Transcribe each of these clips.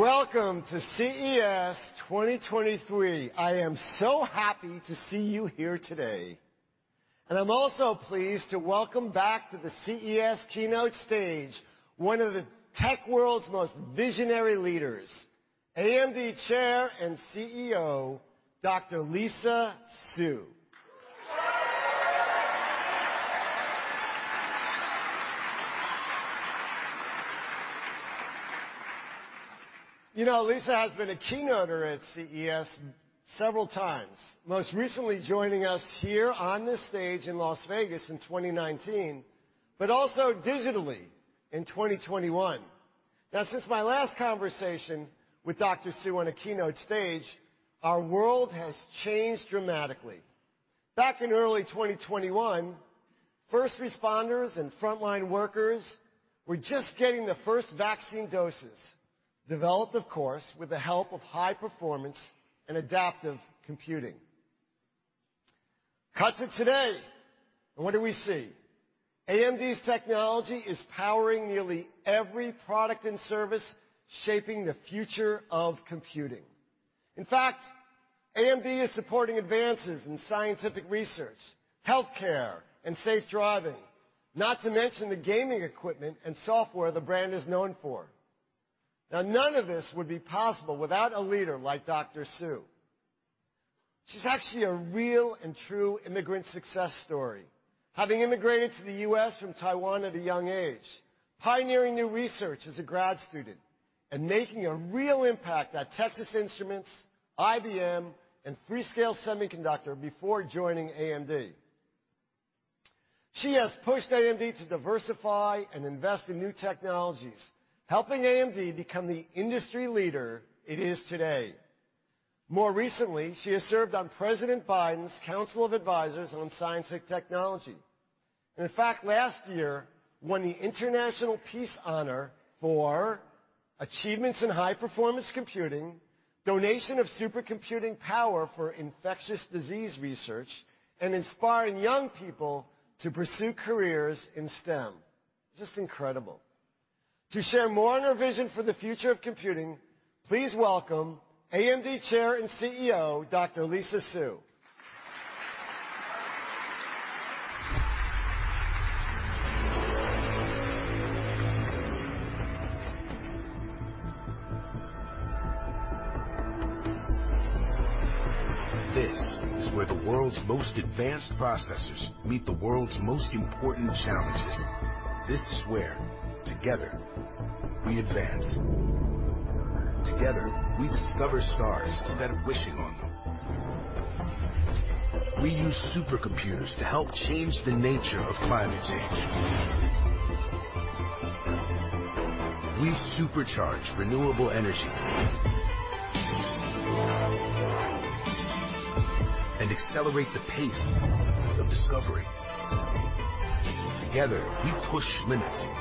Welcome to CES 2023. I am so happy to see you here today, and I'm also pleased to welcome back to the CES keynote stage, one of the tech world's most visionary leaders, AMD Chair and CEO, Dr. Lisa Su. You know, Lisa has been a keynoter at CES several times, most recently joining us here on this stage in Las Vegas in 2019, but also digitally in 2021. Since my last conversation with Dr. Su on a keynote stage, our world has changed dramatically. Back in early 2021, first responders and frontline workers were just getting the first vaccine doses, developed of course, with the help of high performance and adaptive computing. Cut to today, and what do we see? AMD's technology is powering nearly every product and service shaping the future of computing. In fact, AMD is supporting advances in scientific research, healthcare, and safe driving, not to mention the gaming equipment and software the brand is known for. None of this would be possible without a leader like Dr. Su. She's actually a real and true immigrant success story. Having immigrated to the U.S. from Taiwan at a young age, pioneering new research as a grad student, and making a real impact at Texas Instruments, IBM, and Freescale Semiconductor before joining AMD. She has pushed AMD to diversify and invest in new technologies, helping AMD become the industry leader it is today. More recently, she has served on President Biden's Council of Advisors on Science and Technology, and in fact, last year won the International Peace Honor for achievements in high performance computing, donation of supercomputing power for infectious disease research, and inspiring young people to pursue careers in STEM. Just incredible. To share more on her vision for the future of computing, please welcome AMD Chair and CEO, Dr. Lisa Su. This is where the world's most advanced processors meet the world's most important challenges. This is where together we advance. Together, we discover stars instead of wishing on them. We use supercomputers to help change the nature of climate change. We supercharge renewable energy and accelerate the pace of discovery. Together we push limits.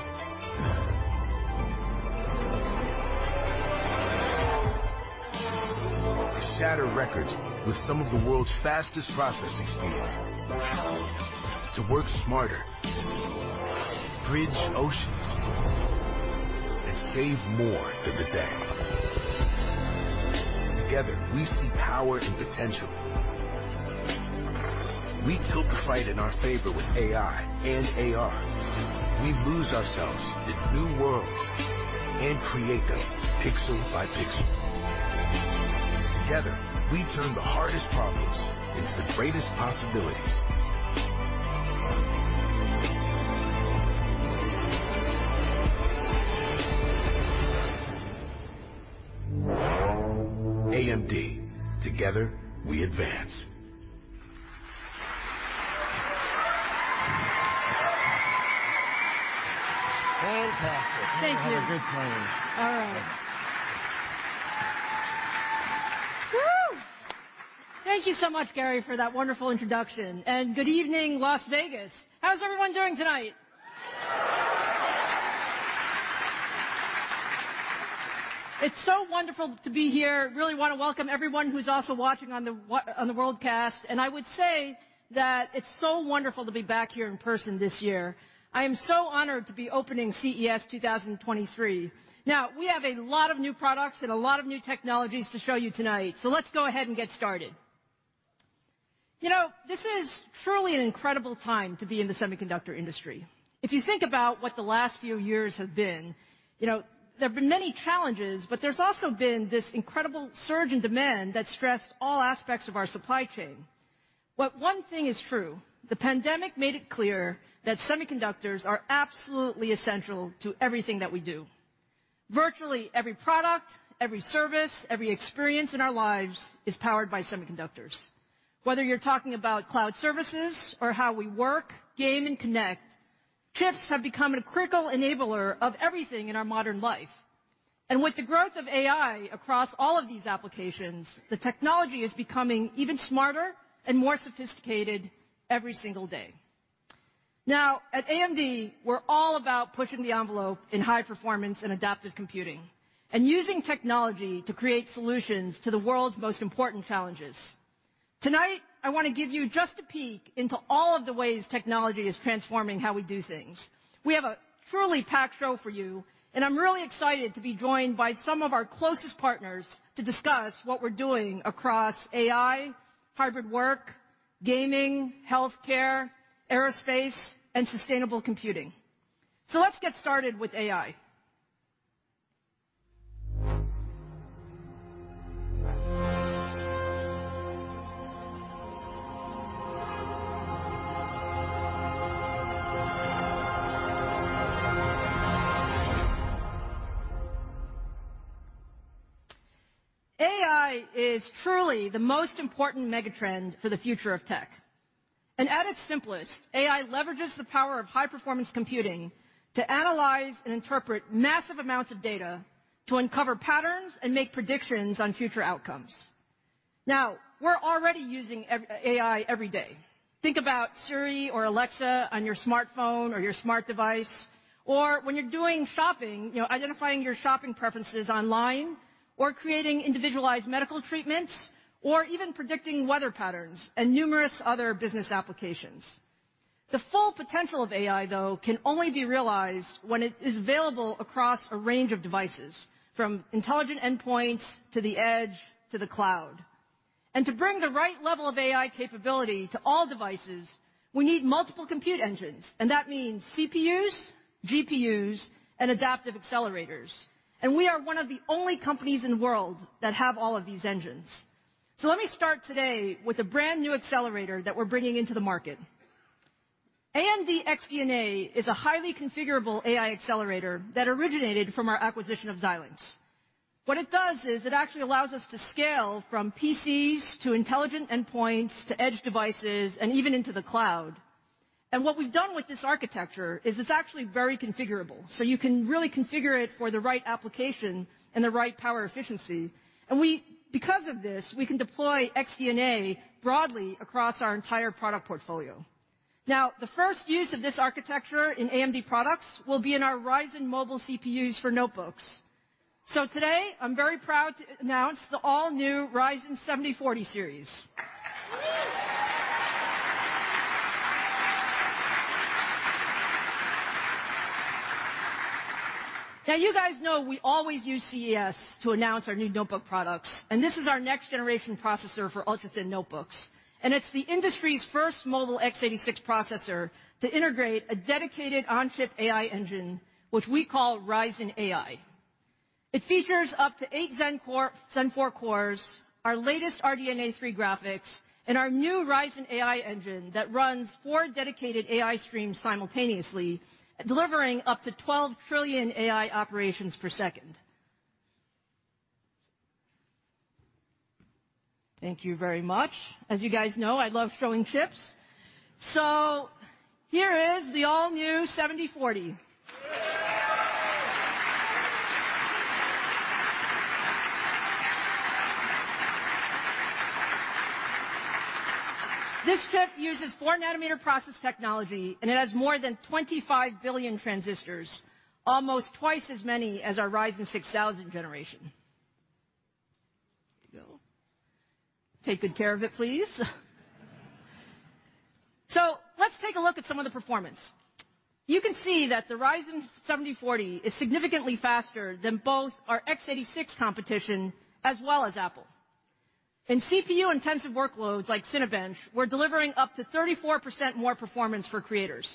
To shatter records with some of the world's fastest processing speeds. To work smarter, bridge oceans, and save more than the day. Together, we see power and potential. We tilt the fight in our favor with AI and AR. We lose ourselves in new worlds and create them pixel by pixel. Together, we turn the hardest problems into the greatest possibilities. AMD, together we advance. Fantastic. Thank you. You have a good time. All right. Woo! Thank you so much, Gary, for that wonderful introduction. Good evening, Las Vegas. How's everyone doing tonight? It's so wonderful to be here. Really wanna welcome everyone who's also watching on the world cast. I would say that it's so wonderful to be back here in person this year. I am so honored to be opening CES 2023. Now, we have a lot of new products and a lot of new technologies to show you tonight. Let's go ahead and get started. You know, this is truly an incredible time to be in the semiconductor industry. If you think about what the last few years have been, you know, there have been many challenges. There's also been this incredible surge in demand that stressed all aspects of our supply chain. One thing is true, the pandemic made it clear that semiconductors are absolutely essential to everything that we do. Virtually every product, every service, every experience in our lives is powered by semiconductors. Whether you're talking about cloud services or how we work, game, and connect, chips have become a critical enabler of everything in our modern life. With the growth of AI across all of these applications, the technology is becoming even smarter and more sophisticated every single day. At AMD, we're all about pushing the envelope in high performance and adaptive computing and using technology to create solutions to the world's most important challenges. Tonight, I wanna give you just a peek into all of the ways technology is transforming how we do things. We have a truly packed show for you, and I'm really excited to be joined by some of our closest partners to discuss what we're doing across AI, hybrid work, gaming, healthcare, aerospace, and sustainable computing. Let's get started with AI. AI is truly the most important mega-trend for the future of tech, and at its simplest, AI leverages the power of high-performance computing to analyze and interpret massive amounts of data to uncover patterns and make predictions on future outcomes. Now, we're already using AI every day. Think about Siri or Alexa on your smartphone or your smart device, or when you're doing shopping, you know, identifying your shopping preferences online or creating individualized medical treatments or even predicting weather patterns and numerous other business applications. The full potential of AI, though, can only be realized when it is available across a range of devices, from intelligent endpoints to the edge, to the cloud. To bring the right level of AI capability to all devices, we need multiple compute engines, and that means CPUs, GPUs, and adaptive accelerators. We are one of the only companies in the world that have all of these engines. Let me start today with a brand-new accelerator that we're bringing into the market. AMD XDNA is a highly configurable AI accelerator that originated from our acquisition of Xilinx. What it does is it actually allows us to scale from PCs to intelligent endpoints, to edge devices, and even into the cloud. What we've done with this architecture is it's actually very configurable, so you can really configure it for the right application and the right power efficiency. We Because of this, we can deploy XDNA broadly across our entire product portfolio. The first use of this architecture in AMD products will be in our Ryzen mobile CPUs for notebooks. Today I'm very proud to announce the all-new Ryzen 7040 Series. You guys know we always use CES to announce our new notebook products, and this is our next-generation processor for ultra-thin notebooks. It's the industry's first mobile x86 processor to integrate a dedicated on-chip AI engine, which we call Ryzen AI. It features up to eight Zen Core, Zen 4 cores, our latest RDNA 3 graphics, and our new Ryzen AI engine that runs four dedicated AI streams simultaneously, delivering up to 12 trillion AI operations per second. Thank you very much. As you guys know, I love showing chips, here is the all-new 7040. This chip uses 4 nm process technology. It has more than 25 billion transistors, almost twice as many as our Ryzen 6000 generation. Here you go. Take good care of it, please. Let's take a look at some of the performance. You can see that the Ryzen 7040 is significantly faster than both our x86 competition as well as Apple. In CPU-intensive workloads like Cinebench, we're delivering up to 34% more performance for creators.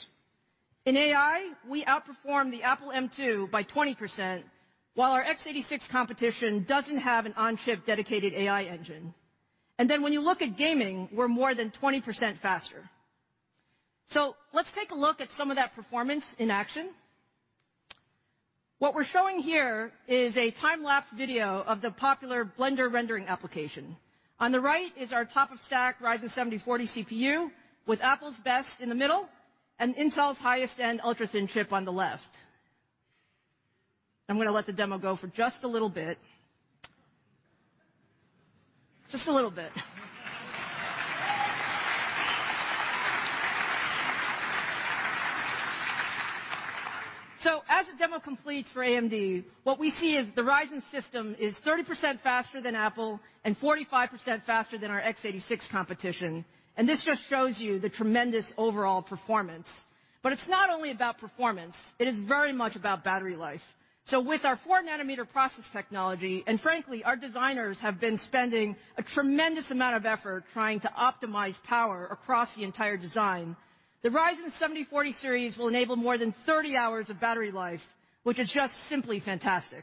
In AI, we outperform the Apple M2 by 20%, while our x86 competition doesn't have an on-chip dedicated AI engine. When you look at gaming, we're more than 20% faster. Let's take a look at some of that performance in action. What we're showing here is a time-lapse video of the popular Blender rendering application. On the right is our top-of-stack Ryzen 7040 CPU with Apple's best in the middle and Intel's highest-end ultra-thin chip on the left. I'm gonna let the demo go for just a little bit. Just a little bit. As the demo completes for AMD, what we see is the Ryzen system is 30% faster than Apple and 45% faster than our x86 competition. This just shows you the tremendous overall performance. It's not only about performance, it is very much about battery life. With our 4 nm process technology, and frankly, our designers have been spending a tremendous amount of effort trying to optimize power across the entire design, the Ryzen 7040 Series will enable more than 30 hours of battery life, which is just simply fantastic.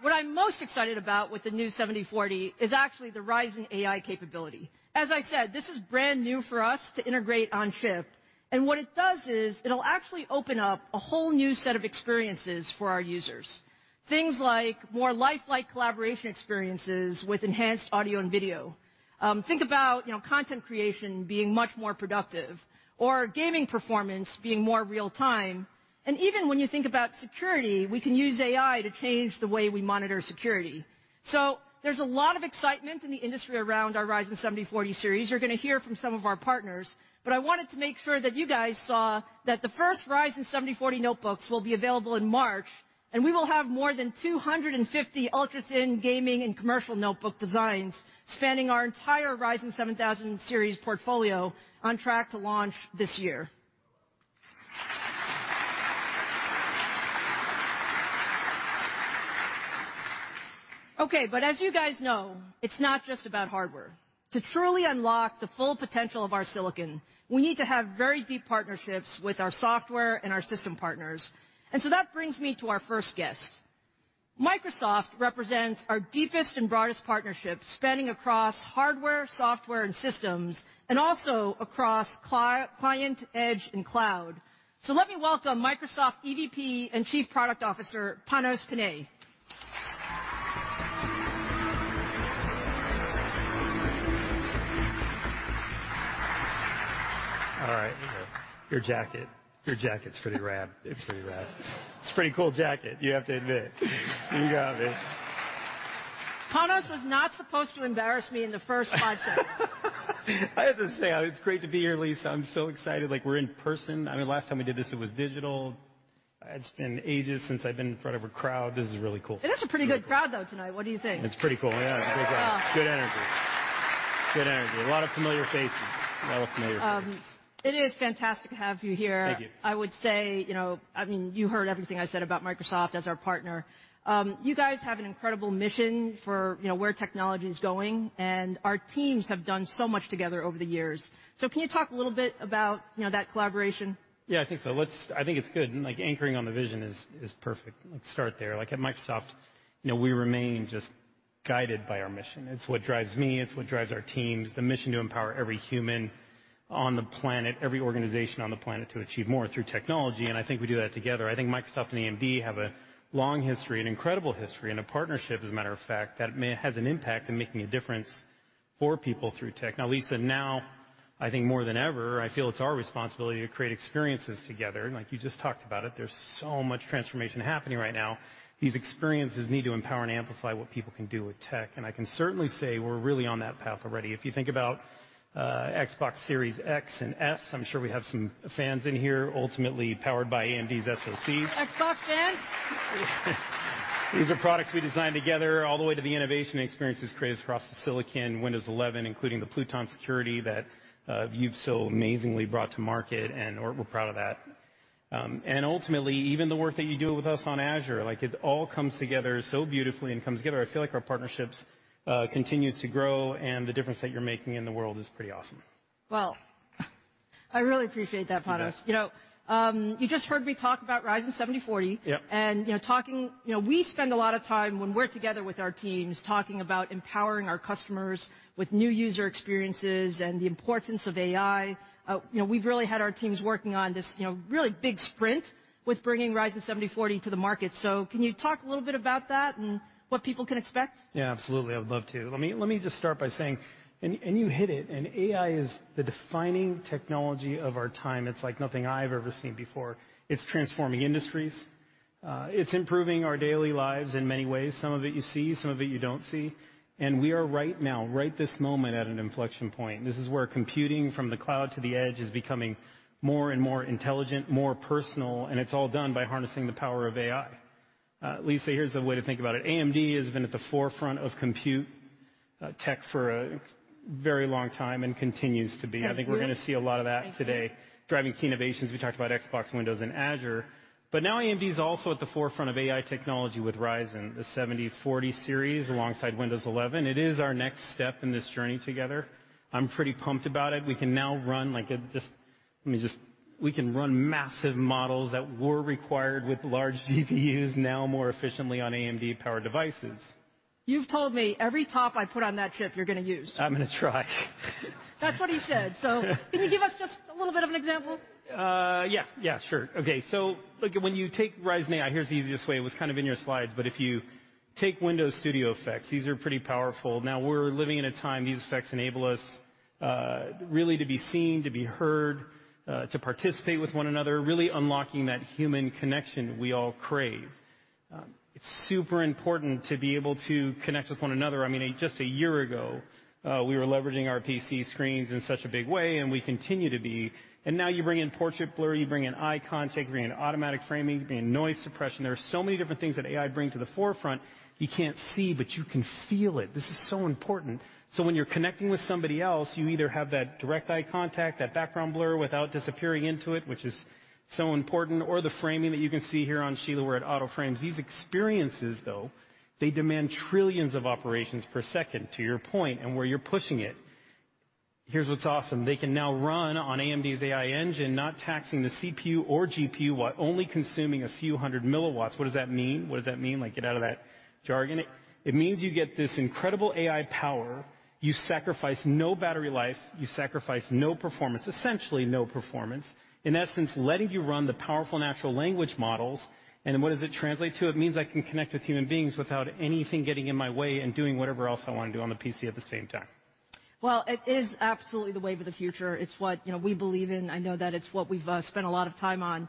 What I'm most excited about with the new 7040 is actually the Ryzen AI capability. As I said, this is brand-new for us to integrate on chip, and what it does is it'll actually open up a whole new set of experiences for our users. Things like more lifelike collaboration experiences with enhanced audio and video. Think about, you know, content creation being much more productive or gaming performance being more real time. Even when you think about security, we can use AI to change the way we monitor security. There's a lot of excitement in the industry around our Ryzen 7040 Series. You're gonna hear from some of our partners, but I wanted to make sure that you guys saw that the first Ryzen 7040 notebooks will be available in March, and we will have more than 250 ultra-thin gaming and commercial notebook designs spanning our entire Ryzen 7000 Series portfolio on track to launch this year. Okay, but as you guys know, it's not just about hardware. To truly unlock the full potential of our silicon, we need to have very deep partnerships with our software and our system partners. That brings me to our first guest. Microsoft represents our deepest and broadest partnership, spanning across hardware, software, and systems, and also across client, edge, and cloud. Let me welcome Microsoft EVP and Chief Product Officer, Panos Panay. All right. Your jacket. Your jacket's pretty rad. It's pretty rad. It's a pretty cool jacket, you have to admit. You got me. Panos was not supposed to embarrass me in the first five seconds. I have to say, it's great to be here, Lisa. I'm so excited. Like, we're in person. I mean, last time we did this it was digital. It's been ages since I've been in front of a crowd. This is really cool. It is a pretty good crowd, though, tonight. What do you think? It's pretty cool. Yeah. It's a good crowd. Ah. Good energy. Good energy. A lot of familiar faces. A lot of familiar faces. It is fantastic to have you here. Thank you. I would say, you know, I mean, you heard everything I said about Microsoft as our partner. You guys have an incredible mission for, you know, where technology is going, and our teams have done so much together over the years. Can you talk a little bit about, you know, that collaboration? Yeah, I think so. I think it's good. Like, anchoring on the vision is perfect. Let's start there. Like, at Microsoft, you know, we remain just guided by our mission. It's what drives me. It's what drives our teams. The mission to empower every human on the planet, every organization on the planet to achieve more through technology. I think we do that together. I think Microsoft and AMD have a long history, an incredible history, and a partnership, as a matter of fact, that has an impact in making a difference for people through tech. Now, Lisa, now, I think more than ever, I feel it's our responsibility to create experiences together. Like you just talked about it, there's so much transformation happening right now. These experiences need to empower and amplify what people can do with tech, and I can certainly say we're really on that path already. If you think about, Xbox Series X and S, I'm sure we have some fans in here, ultimately powered by AMD's SoCs. Xbox fans? These are products we designed together all the way to the innovation experiences created across the silicon, Windows 11, including the Pluton security that you've so amazingly brought to market, we're proud of that. Ultimately, even the work that you do with us on Azure, like it all comes together so beautifully and comes together. I feel like our partnerships continues to grow and the difference that you're making in the world is pretty awesome. Well, I really appreciate that, Panos. You bet. You know, you just heard me talk about Ryzen 7040. Yep. You know, we spend a lot of time when we're together with our teams, talking about empowering our customers with new user experiences and the importance of AI. You know, we've really had our teams working on this, you know, really big sprint with bringing Ryzen 7040 to the market. Can you talk a little bit about that and what people can expect? Yeah, absolutely. I would love to. Let me just start by saying... You hit it, AI is the defining technology of our time. It's like nothing I've ever seen before. It's transforming industries. It's improving our daily lives in many ways. Some of it you see, some of it you don't see. We are right now, right this moment, at an inflection point. This is where computing from the cloud to the edge is becoming more and more intelligent, more personal, and it's all done by harnessing the power of AI. Lisa, here's a way to think about it. AMD has been at the forefront of compute, tech for a very long time and continues to be. Agreed. I think we're gonna see a lot of that today. Thank you. Driving key innovations, we talked about Xbox, Windows, and Azure. Now AMD is also at the forefront of AI technology with Ryzen, the 7040 Series alongside Windows 11. It is our next step in this journey together. I'm pretty pumped about it. We can now run massive models that were required with large GPUs now more efficiently on AMD-powered devices. You've told me every top I put on that chip, you're gonna use. I'm gonna try. That's what he said. Can you give us just a little bit of an example? Yeah. Yeah, sure. Okay. Like when you take Ryzen AI, here's the easiest way. It was kind of in your slides, if you take Windows Studio Effects, these are pretty powerful. Now we're living in a time, these effects enable us really to be seen, to be heard, to participate with one another, really unlocking that human connection we all crave. It's super important to be able to connect with one another. I mean, just a year ago, we were leveraging our PC screens in such a big way, we continue to be. Now you bring in portrait blur, you bring in eye contact, you bring in automatic framing, you bring in noise suppression. There are so many different things that AI bring to the forefront. You can't see, you can feel it. This is so important. When you're connecting with somebody else, you either have that direct eye contact, that background blur without disappearing into it, which is so important, or the framing that you can see here on Sheila where it auto frames. These experiences, though, they demand trillions of operations per second, to your point, and where you're pushing it. Here's what's awesome. They can now run on AMD's AI engine, not taxing the CPU or GPU, while only consuming a few hundred milliwatts. What does that mean? What does that mean? Like, get out of that jargon. It means you get this incredible AI power. You sacrifice no battery life, you sacrifice no performance, essentially no performance. In essence, letting you run the powerful natural language models. What does it translate to? It means I can connect with human beings without anything getting in my way and doing whatever else I want to do on the PC at the same time. It is absolutely the wave of the future. It's what, you know, we believe in. I know that it's what we've spent a lot of time on.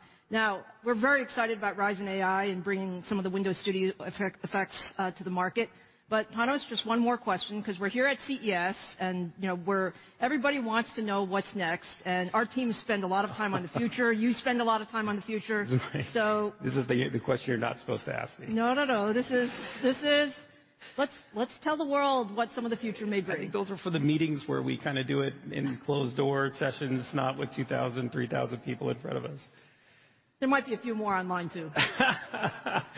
We're very excited about Ryzen AI and bringing some of the Windows Studio effects to the market. Panos, just one more question, 'cause we're here at CES, and, you know, everybody wants to know what's next. Our teams spend a lot of time on the future. You spend a lot of time on the future. Right. So- This is the question you're not supposed to ask me. No, no. Let's tell the world what some of the future may bring. I think those are for the meetings where we kinda do it in closed door sessions, not with 2,000, 3,000 people in front of us. There might be a few more online, too. Yeah,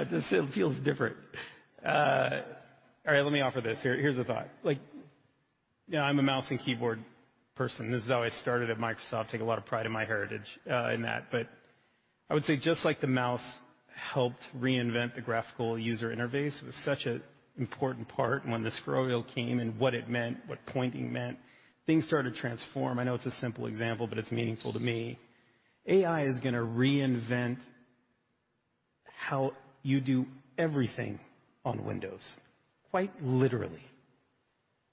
it just, it feels different. All right, let me offer this. Here, here's a thought. Like, you know, I'm a mouse and keyboard person. This is how I started at Microsoft. Take a lot of pride in my heritage in that. I would say just like the mouse helped reinvent the graphical user interface, it was such an important part when the scroll wheel came and what it meant, what pointing meant, things started to transform. I know it's a simple example, but it's meaningful to me. AI is gonna reinvent how you do everything on Windows, quite literally.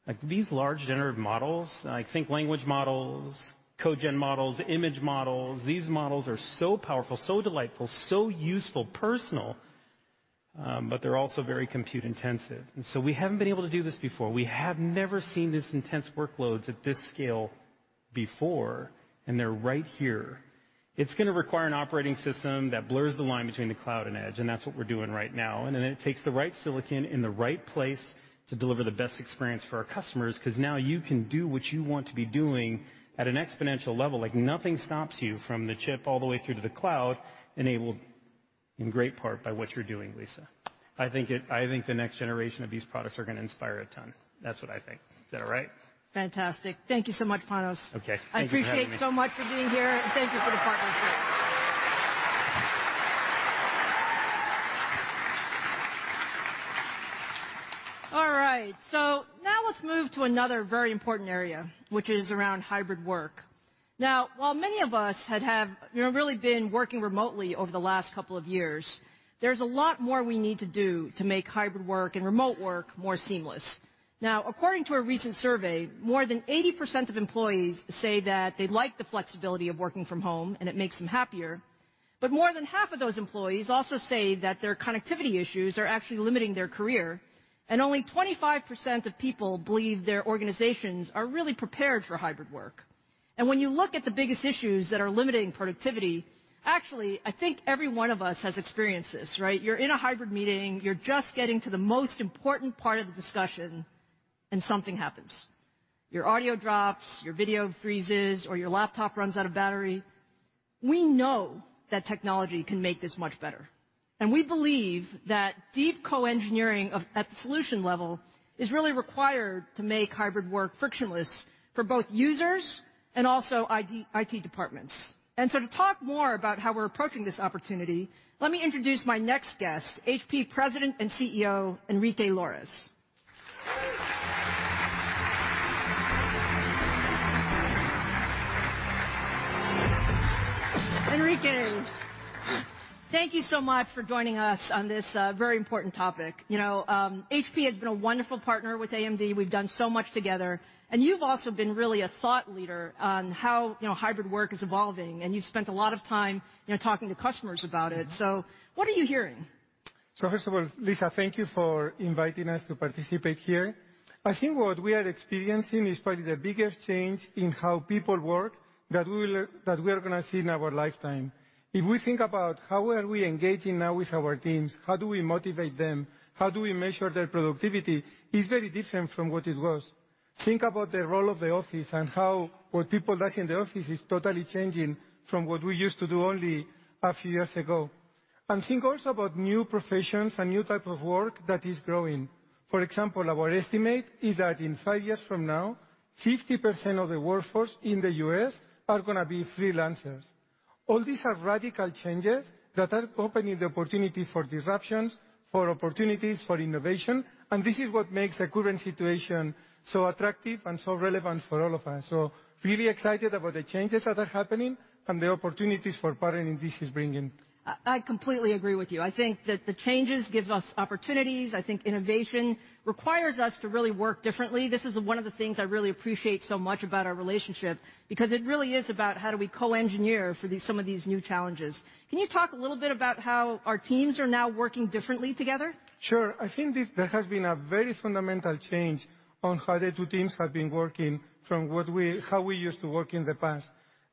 Like, these large generative models, I think language models, code gen models, image models, these models are so powerful, so delightful, so useful, personal, but they're also very compute-intensive. We haven't been able to do this before. We have never seen this intense workloads at this scale before. They're right here. It's gonna require an operating system that blurs the line between the cloud and edge, and that's what we're doing right now. It takes the right silicon in the right place to deliver the best experience for our customers, 'cause now you can do what you want to be doing at an exponential level. Like, nothing stops you from the chip all the way through to the cloud, enabled in great part by what you're doing, Lisa. I think the next generation of these products are gonna inspire a ton. That's what I think. Is that all right? Fantastic. Thank you so much, Panos. Okay. Thank you for having me. I appreciate so much for being here, thank you for the partnership. All right. Now let's move to another very important area, which is around hybrid work. Now, while many of us have, you know, really been working remotely over the last couple of years, there's a lot more we need to do to make hybrid work and remote work more seamless. According to a recent survey, more than 80% of employees say that they like the flexibility of working from home, and it makes them happier. More than half of those employees also say that their connectivity issues are actually limiting their career, and only 25% of people believe their organizations are really prepared for hybrid work. When you look at the biggest issues that are limiting productivity, actually, I think every one of us has experienced this, right? You're in a hybrid meeting, you're just getting to the most important part of the discussion, and something happens. Your audio drops, your video freezes, or your laptop runs out of battery. We know that technology can make this much better. We believe that deep co-engineering of, at the solution level is really required to make hybrid work frictionless for both users and also IT departments. To talk more about how we're approaching this opportunity, let me introduce my next guest, HP President and CEO, Enrique Lores. Enrique, thank you so much for joining us on this very important topic. You know, HP has been a wonderful partner with AMD. We've done so much together. You've also been really a thought leader on how, you know, hybrid work is evolving, and you've spent a lot of time, you know, talking to customers about it. Mm-hmm. What are you hearing? First of all, Lisa, thank you for inviting us to participate here. I think what we are experiencing is probably the biggest change in how people work that we are going to see in our lifetime. If we think about how are we engaging now with our teams, how do we motivate them, how do we measure their productivity is very different from what it was. Think about the role of the office and how what people like in the office is totally changing from what we used to do only a few years ago. Think also about new professions and new type of work that is growing. For example, our estimate is that in five years from now, 50% of the workforce in the U.S. are going to be freelancers. All these are radical changes that are opening the opportunity for disruptions, for opportunities, for innovation. This is what makes the current situation so attractive and so relevant for all of us. Really excited about the changes that are happening and the opportunities for partnering this is bringing. I completely agree with you. I think that the changes give us opportunities. I think innovation requires us to really work differently. This is one of the things I really appreciate so much about our relationship, because it really is about how do we co-engineer for the, some of these new challenges. Can you talk a little bit about how our teams are now working differently together? Sure. I think there has been a very fundamental change on how the two teams have been working from what we, how we used to work in the past.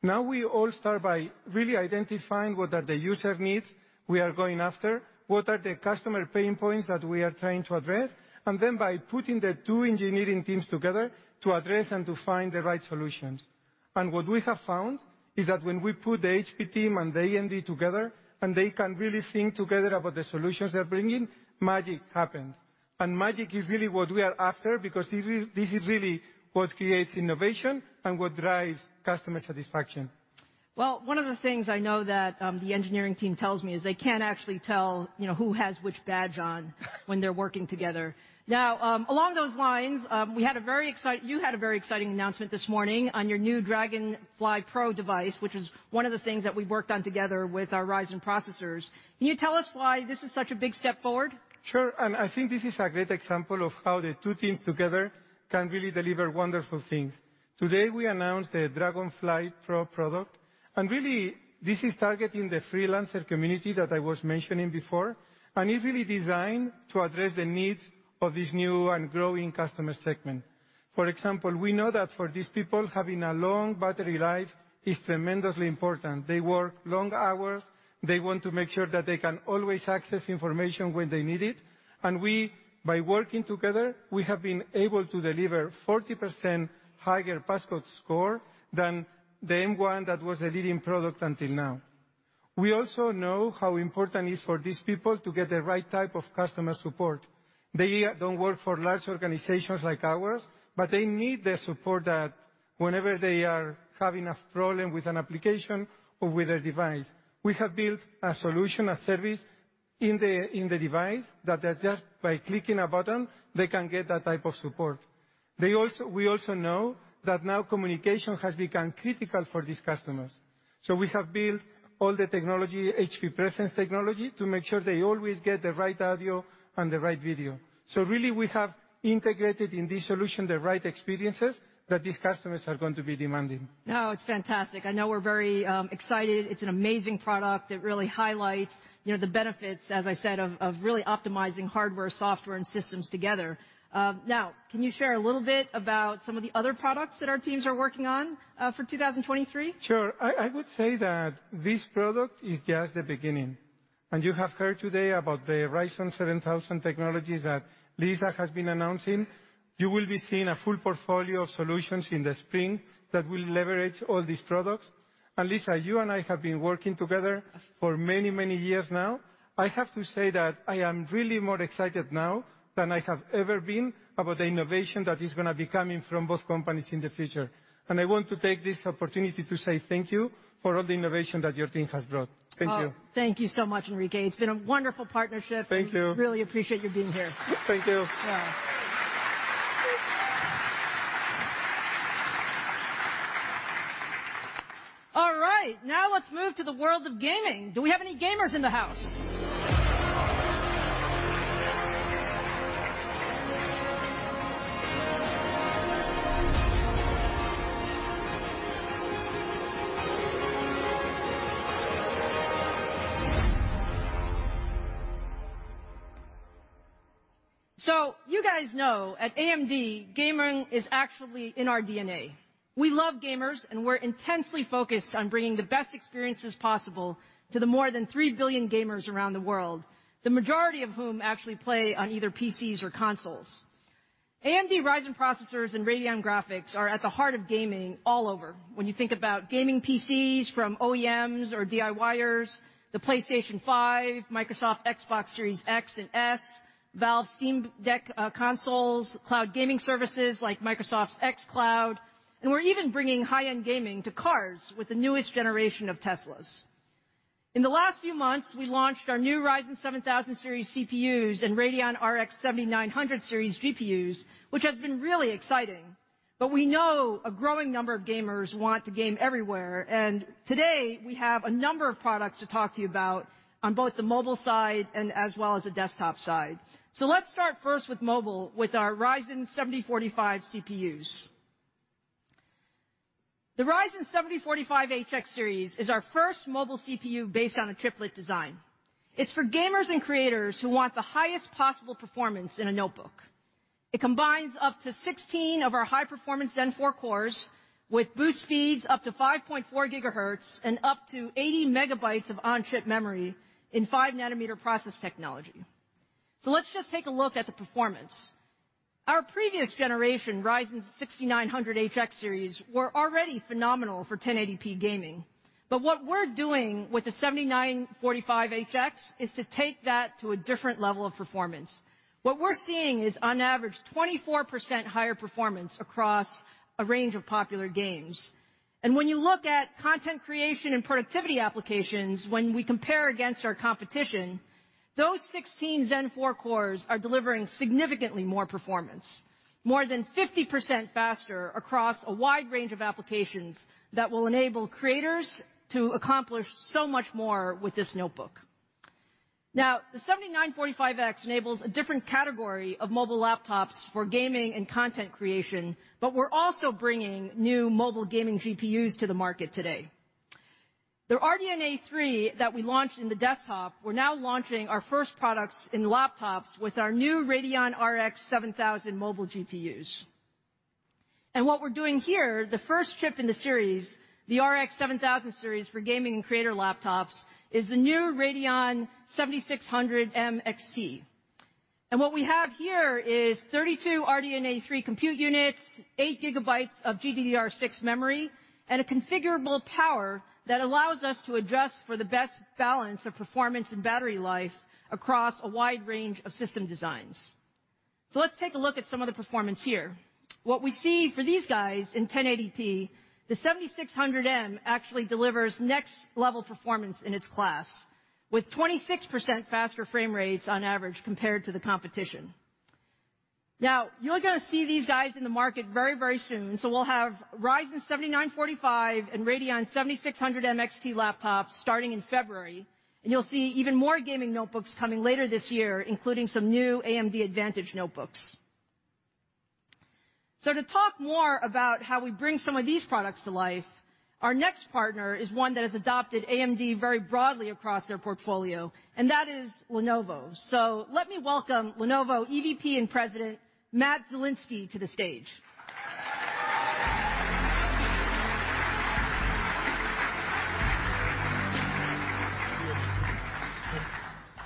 We all start by really identifying what are the user needs we are going after, what are the customer pain points that we are trying to address, then by putting the two engineering teams together to address and to find the right solutions. What we have found is that when we put the HP team and the AMD together, and they can really think together about the solutions they're bringing, magic happens. Magic is really what we are after because this is really what creates innovation and what drives customer satisfaction. One of the things I know that the engineering team tells me is they can't actually tell, you know, who has which badge when they're working together. Along those lines, you had a very exciting announcement this morning on your new Dragonfly Pro device, which was one of the things that we worked on together with our Ryzen processors. Can you tell us why this is such a big step forward? Sure. I think this is a great example of how the two teams together can really deliver wonderful things. Today, we announced the Dragonfly Pro product. Really, this is targeting the freelancer community that I was mentioning before and is really designed to address the needs of this new and growing customer segment. For example, we know that for these people, having a long battery life is tremendously important. They work long hours. They want to make sure that they can always access information when they need it. And we, by working together, we have been able to deliver 40% higher PassMark score than the M1 that was the leading product until now. We also know how important it is for these people to get the right type of customer support. They don't work for large organizations like ours, they need the support that whenever they are having a problem with an application or with a device. We have built a solution, a service in the device that just by clicking a button, they can get that type of support. We also know that now communication has become critical for these customers. We have built all the technology, HP Presence technology, to make sure they always get the right audio and the right video. Really we have integrated in this solution the right experiences that these customers are going to be demanding. No, it's fantastic. I know we're very excited. It's an amazing product. It really highlights, you know, the benefits, as I said, of really optimizing hardware, software, and systems together. Now, can you share a little bit about some of the other products that our teams are working on for 2023? Sure. I would say that this product is just the beginning. You have heard today about the Ryzen 7000 technologies that Lisa has been announcing. You will be seeing a full portfolio of solutions in the spring that will leverage all these products. Lisa, you and I have been working together for many, many years now. I have to say that I am really more excited now than I have ever been about the innovation that is gonna be coming from both companies in the future. I want to take this opportunity to say thank you for all the innovation that your team has brought. Thank you. Oh, thank you so much, Enrique. It's been a wonderful partnership. Thank you. Really appreciate you being here. Thank you. Yeah. All right. Let's move to the world of gaming. Do we have any gamers in the house? You guys know, at AMD, gaming is actually in our DNA. We love gamers, and we're intensely focused on bringing the best experiences possible to the more than 3 billion gamers around the world, the majority of whom actually play on either PCs or consoles. AMD Ryzen processors and Radeon graphics are at the heart of gaming all over. When you think about gaming PCs from OEMs or DIYers, the PlayStation 5, Microsoft Xbox Series X and S, Valve Steam Deck, consoles, cloud gaming services like Microsoft's xCloud, and we're even bringing high-end gaming to cars with the newest generation of Teslas. In the last few months, we launched our new Ryzen 7045 Series CPUs and Radeon RX 7900 Series GPUs, which has been really exciting. We know a growing number of gamers want to game everywhere. Today, we have a number of products to talk to you about on both the mobile side and as well as the desktop side. Let's start first with mobile, with our Ryzen 7045 CPUs. The Ryzen 7045HX Series is our first mobile CPU based on a chiplet design. It's for gamers and creators who want the highest possible performance in a notebook. It combines up to 16 of our high-performance Zen 4 cores with boost speeds up to 5.4 GHz and up to 80 MB of on-chip memory in 5 nm process technology. Let's just take a look at the performance. Our previous generation, Ryzen 6900HX Series, were already phenomenal for 1080p gaming. What we're doing with the Ryzen 7045HX is to take that to a different level of performance. What we're seeing is on average 24% higher performance across a range of popular games. When you look at content creation and productivity applications, when we compare against our competition, those 16 Zen 4 cores are delivering significantly more performance, more than 50% faster across a wide range of applications that will enable creators to accomplish so much more with this notebook. The Ryzen 7045HX enables a different category of mobile laptops for gaming and content creation, but we're also bringing new mobile gaming GPUs to the market today. The RDNA 3 that we launched in the desktop, we're now launching our first products in laptops with our new Radeon RX 7000 Series mobile GPUs. What we're doing here, the first chip in the series, the RX 7000 Series for gaming and creator laptops, is the new Radeon 7600M XT. What we have here is 32 RDNA 3 compute units, 8 GB of GDDR6 memory, and a configurable power that allows us to adjust for the best balance of performance and battery life across a wide range of system designs. Let's take a look at some of the performance here. What we see for these guys in 1080p, the 7600M actually delivers next-level performance in its class, with 26% faster frame rates on average compared to the competition. Now, you're gonna see these guys in the market very, very soon. We'll have Ryzen 7945 and Radeon 7600M XT laptops starting in February. You'll see even more gaming notebooks coming later this year, including some new AMD Advantage notebooks. To talk more about how we bring some of these products to life, our next partner is one that has adopted AMD very broadly across their portfolio, and that is Lenovo. Let me welcome Lenovo EVP and President Matt Zielinski to the stage.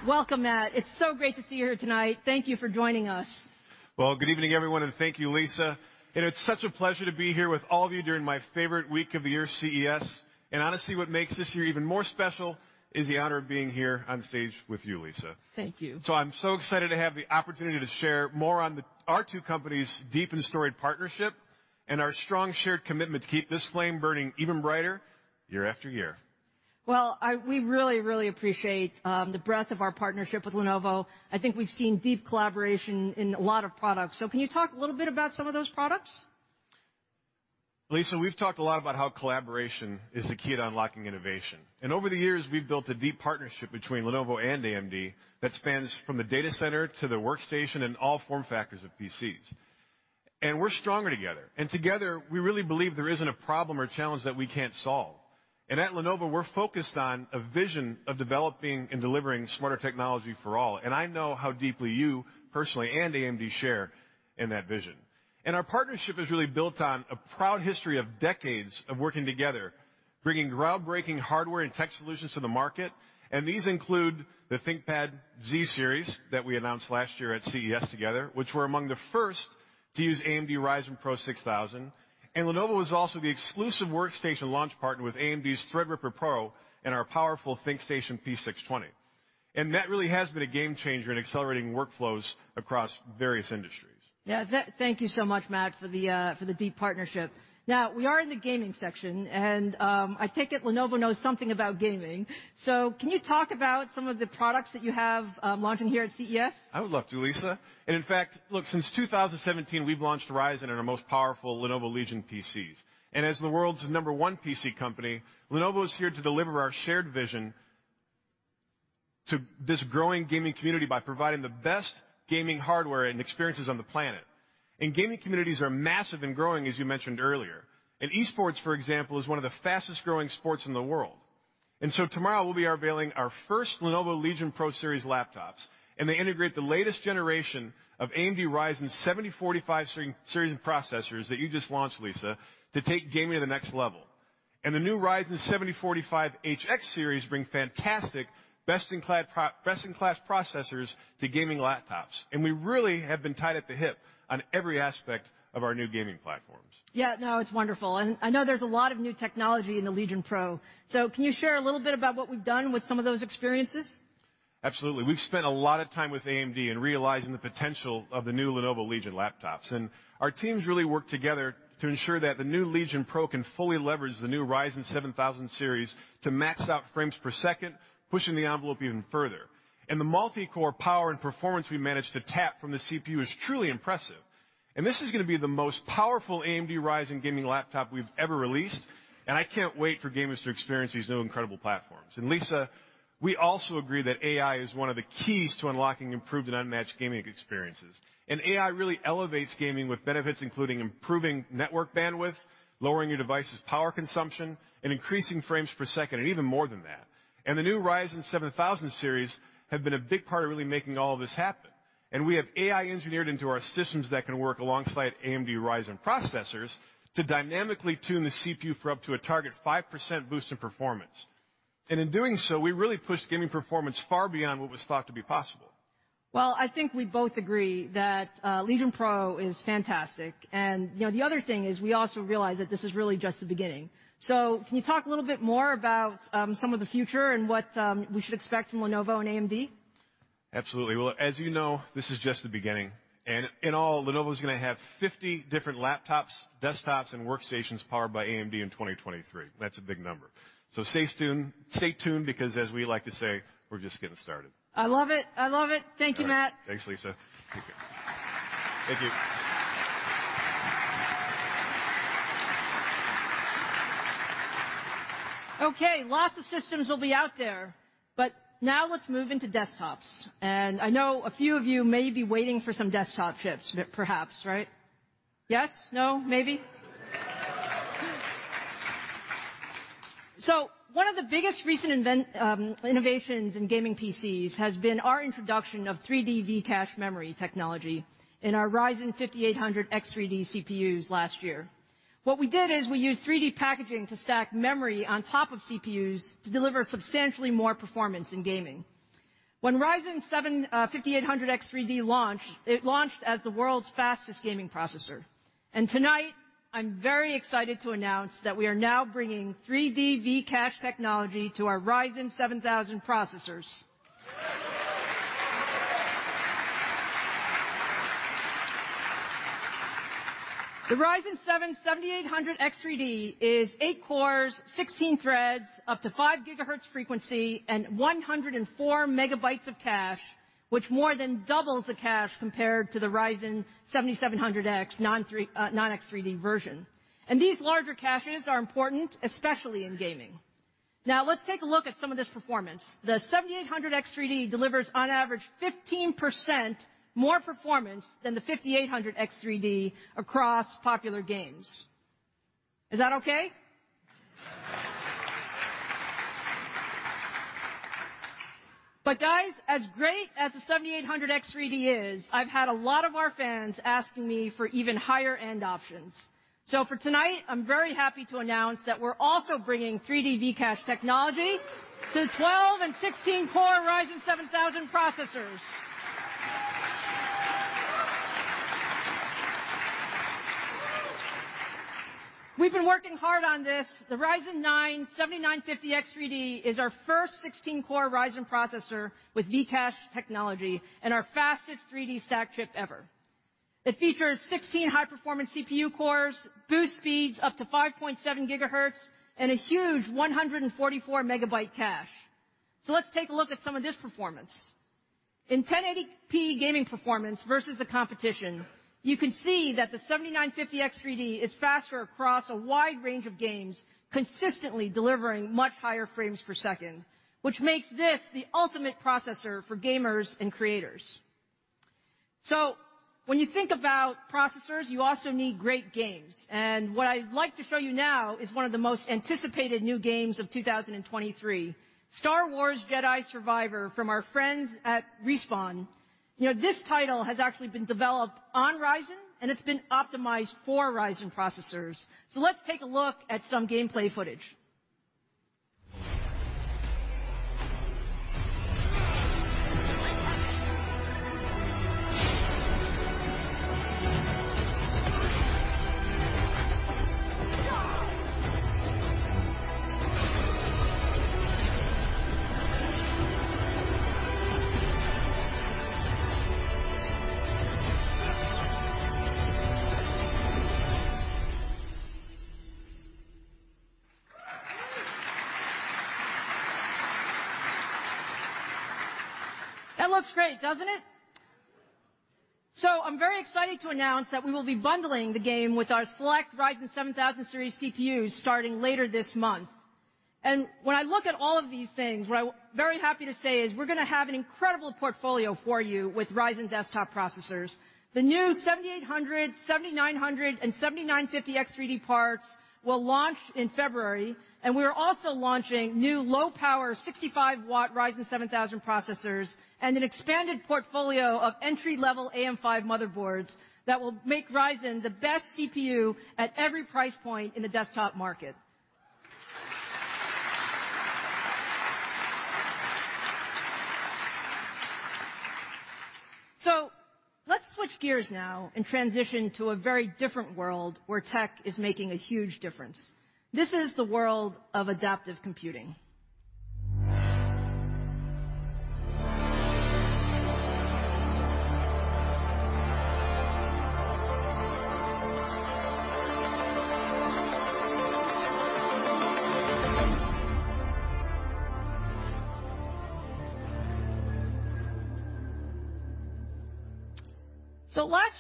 Welcome, Matt. It's so great to see you here tonight. Thank you for joining us. Well, good evening, everyone, thank you, Lisa. It's such a pleasure to be here with all of you during my favorite week of the year, CES. Honestly, what makes this year even more special is the honor of being here on stage with you, Lisa. Thank you. I'm so excited to have the opportunity to share more on our two companies' deep and storied partnership and our strong shared commitment to keep this flame burning even brighter year after year. Well, we really appreciate the breadth of our partnership with Lenovo. I think we've seen deep collaboration in a lot of products. Can you talk a little bit about some of those products? Lisa, we've talked a lot about how collaboration is the key to unlocking innovation. Over the years we've built a deep partnership between Lenovo and AMD that spans from the data center to the workstation and all form factors of PCs. We're stronger together, and together we really believe there isn't a problem or challenge that we can't solve. At Lenovo, we're focused on a vision of developing and delivering smarter technology for all, and I know how deeply you personally and AMD share in that vision. Our partnership is really built on a proud history of decades of working together, bringing groundbreaking hardware and tech solutions to the market, and these include the ThinkPad Z Series that we announced last year at CES together, which were among the first to use AMD Ryzen PRO 6000. Lenovo was also the exclusive workstation launch partner with AMD's Threadripper PRO and our powerful ThinkStation P620. That really has been a game changer in accelerating workflows across various industries. Yeah. Thank you so much, Matt, for the for the deep partnership. We are in the gaming section and I take it Lenovo knows something about gaming. Can you talk about some of the products that you have launching here at CES? I would love to, Lisa. In fact, look, since 2017, we've launched Ryzen in our most powerful Lenovo Legion PCs. As the world's number one PC company, Lenovo is here to deliver our shared vision to this growing gaming community by providing the best gaming hardware and experiences on the planet. Gaming communities are massive and growing, as you mentioned earlier. Esports, for example, is one of the fastest growing sports in the world. Tomorrow we'll be unveiling our first Lenovo Legion Pro Series laptops, and they integrate the latest generation of AMD Ryzen 7045 Series of processors that you just launched, Lisa, to take gaming to the next level. The new Ryzen 7045HX Series bring fantastic best in class processors to gaming laptops. We really have been tied at the hip on every aspect of our new gaming platforms. Yeah. No, it's wonderful. I know there's a lot of new technology in the Legion Pro. Can you share a little bit about what we've done with some of those experiences? Absolutely. We've spent a lot of time with AMD in realizing the potential of the new Lenovo Legion laptops. Our teams really work together to ensure that the new Legion Pro can fully leverage the new Ryzen 7000 Series to max out frames per second, pushing the envelope even further. The multi-core power and performance we managed to tap from the CPU is truly impressive. This is gonna be the most powerful AMD Ryzen gaming laptop we've ever released, and I can't wait for gamers to experience these new incredible platforms. Lisa, we also agree that AI is one of the keys to unlocking improved and unmatched gaming experiences. AI really elevates gaming with benefits including improving network bandwidth, lowering your device's power consumption, and increasing frames per second, and even more than that. The new Ryzen 7000 Series have been a big part of really making all of this happen. We have AI engineered into our systems that can work alongside AMD Ryzen processors to dynamically tune the CPU for up to a target 5% boost in performance. In doing so, we really pushed gaming performance far beyond what was thought to be possible. Well, I think we both agree that Legion Pro is fantastic. You know, the other thing is we also realize that this is really just the beginning. Can you talk a little more about some of the future and what we should expect from Lenovo and AMD? Absolutely. Well, as you know, this is just the beginning. In all, Lenovo's gonna have 50 different laptops, desktops, and workstations powered by AMD in 2023. That's a big number. Stay tuned because, as we like to say, we're just getting started. I love it. I love it. Thank you, Matt. Thanks, Lisa. Take care. Thank you. Okay. Lots of systems will be out there. Now let's move into desktops. I know a few of you may be waiting for some desktop chips perhaps, right? Yes? No? Maybe? One of the biggest recent innovations in gaming PCs has been our introduction of 3D V-Cache memory technology in our Ryzen 7 5800X3D CPUs last year. What we did is we used 3D packaging to stack memory on top of CPUs to deliver substantially more performance in gaming. When Ryzen 7 5800X3D launched, it launched as the world's fastest gaming processor. Tonight I'm very excited to announce that we are now bringing 3D V-Cache technology to our Ryzen 7000 processors. The Ryzen 7 7800X3D is 8 cores, 16 threads, up to 5 GHz frequency, and 104 MB of cache, which more than doubles the cache compared to the Ryzen 7 7700X non-X3D version. These larger caches are important, especially in gaming. Now let's take a look at some of this performance. The 7800X3D delivers on average 15% more performance than the 5800X3D across popular games. Is that okay? Guys, as great as the 7800X3D is, I've had a lot of our fans asking me for even higher end options. For tonight, I'm very happy to announce that we're also bringing 3D V-Cache technology to 12 and 16 core Ryzen 7000 processors. We've been working hard on this. The Ryzen 9 7950X3D is our first 16-core Ryzen processor with V-Cache technology and our fastest 3D stack chip ever. It features 16 high-performance CPU cores, boost speeds up to 5.7 GHz, and a huge 144 MB cache. Let's take a look at some of this performance. In 1080p gaming performance versus the competition, you can see that the 7950X3D is faster across a wide range of games, consistently delivering much higher frames per second, which makes this the ultimate processor for gamers and creators. When you think about processors, you also need great games. What I'd like to show you now is one of the most anticipated new games of 2023, Star Wars Jedi: Survivor from our friends at Respawn. You know, this title has actually been developed on Ryzen, and it's been optimized for Ryzen processors. That looks great, doesn't it? I'm very excited to announce that we will be bundling the game with our select Ryzen 7000 Series CPUs starting later this month. When I look at all of these things, what I'm very happy to say is we're gonna have an incredible portfolio for you with Ryzen desktop processors. The new 7800, 7900, and 7950 X3D parts will launch in February, and we are also launching new low-power 65 watt Ryzen 7000 processors and an expanded portfolio of entry-level AM5 motherboards that will make Ryzen the best CPU at every price point in the desktop market. Let's switch gears now and transition to a very different world where tech is making a huge difference. This is the world of adaptive computing.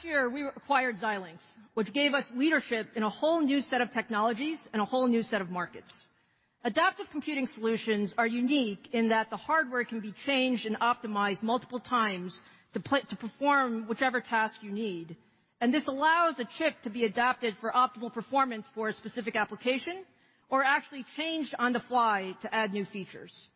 Last year, we acquired Xilinx, which gave us leadership in a whole new set of technologies and a whole new set of markets. Adaptive computing solutions are unique in that the hardware can be changed and optimized multiple times to perform whichever task you need. This allows a chip to be adapted for optimal performance for a specific application or actually changed on the fly to add new features.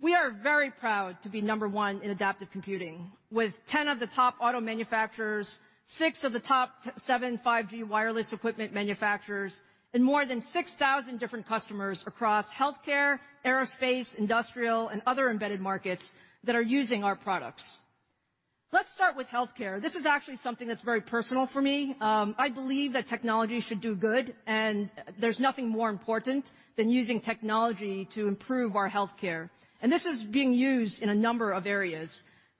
We are very proud to be number one in adaptive computing with 10 of the top auto manufacturers, six of the top seven 5G wireless equipment manufacturers, and more than 6,000 different customers across healthcare, aerospace, industrial, and other embedded markets that are using our products. Let's start with healthcare. This is actually something that's very personal for me. I believe that technology should do good, and there's nothing more important than using technology to improve our healthcare. This is being used in a number of areas.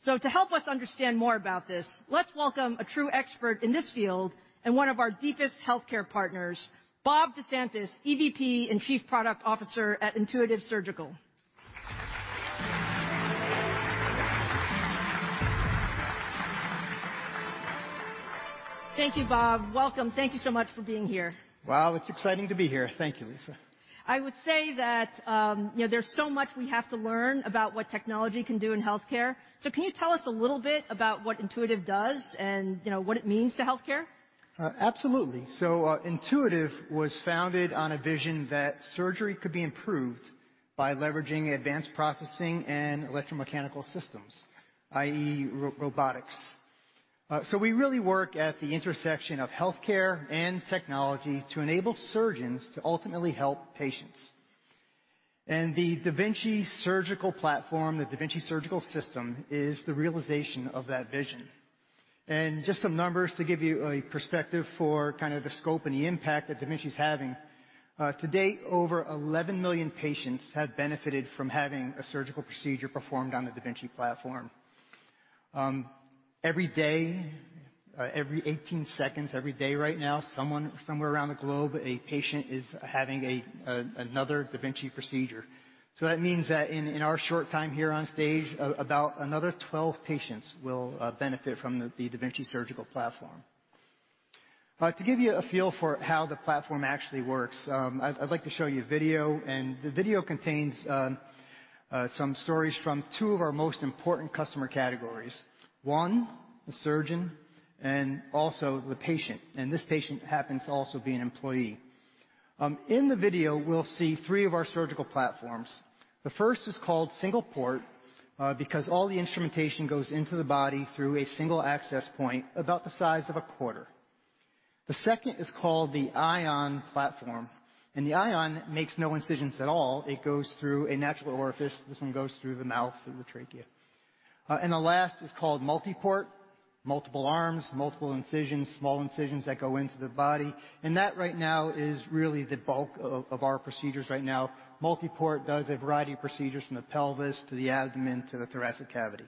To help us understand more about this, let's welcome a true expert in this field and one of our deepest healthcare partners, Bob DeSantis, EVP and Chief Product Officer at Intuitive Surgical. Thank you, Bob. Welcome. Thank you so much for being here. Wow, it's exciting to be here. Thank you, Lisa. I would say that, you know, there's so much we have to learn about what technology can do in healthcare. Can you tell us a little bit about what Intuitive does and, you know, what it means to healthcare? Absolutely. Intuitive was founded on a vision that surgery could be improved by leveraging advanced processing and electromechanical systems, i.e. robotics. We really work at the intersection of healthcare and technology to enable surgeons to ultimately help patients. The da Vinci Surgical platform, the da Vinci Surgical System, is the realization of that vision. Just some numbers to give you a perspective for kind of the scope and the impact that da Vinci is having. To date, over 11 million patients have benefited from having a surgical procedure performed on the da Vinci platform. Every day, every 18 seconds, every day right now, someone, somewhere around the globe, a patient is having another da Vinci procedure. That means that in our short time here on stage, about another 12 patients will benefit from the da Vinci Surgical System. To give you a feel for how the platform actually works, I'd like to show you a video. The video contains some stories from two of our most important customer categories. One, the surgeon, and also the patient. This patient happens to also be an employee. In the video, we'll see three of our surgical platforms. The first is called single port, because all the instrumentation goes into the body through a single access point about the size of a quarter. The second is called the Ion endoluminal system. The Ion makes no incisions at all. It goes through a natural orifice. This one goes through the mouth, through the trachea. The last is called multi-port, multiple arms, multiple incisions, small incisions that go into the body. That right now is really the bulk of our procedures right now. Multi-port does a variety of procedures from the pelvis to the abdomen, to the thoracic cavity.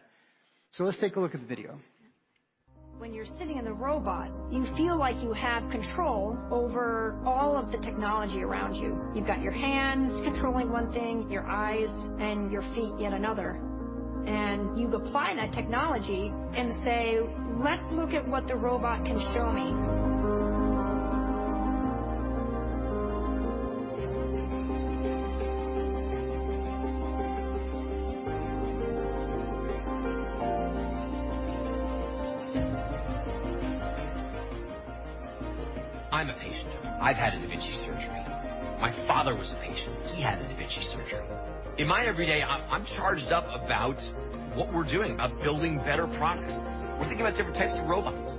Let's take a look at the video. When you're sitting in the robot, you feel like you have control over all of the technology around you. You've got your hands controlling one thing, your eyes and your feet in another. You apply that technology and say, "Let's look at what the robot can show me. I'm a patient. I've had a da Vinci surgery. My father was a patient. He had a da Vinci surgery. In my every day, I'm charged up about what we're doing about building better products. We're thinking about different types of robots,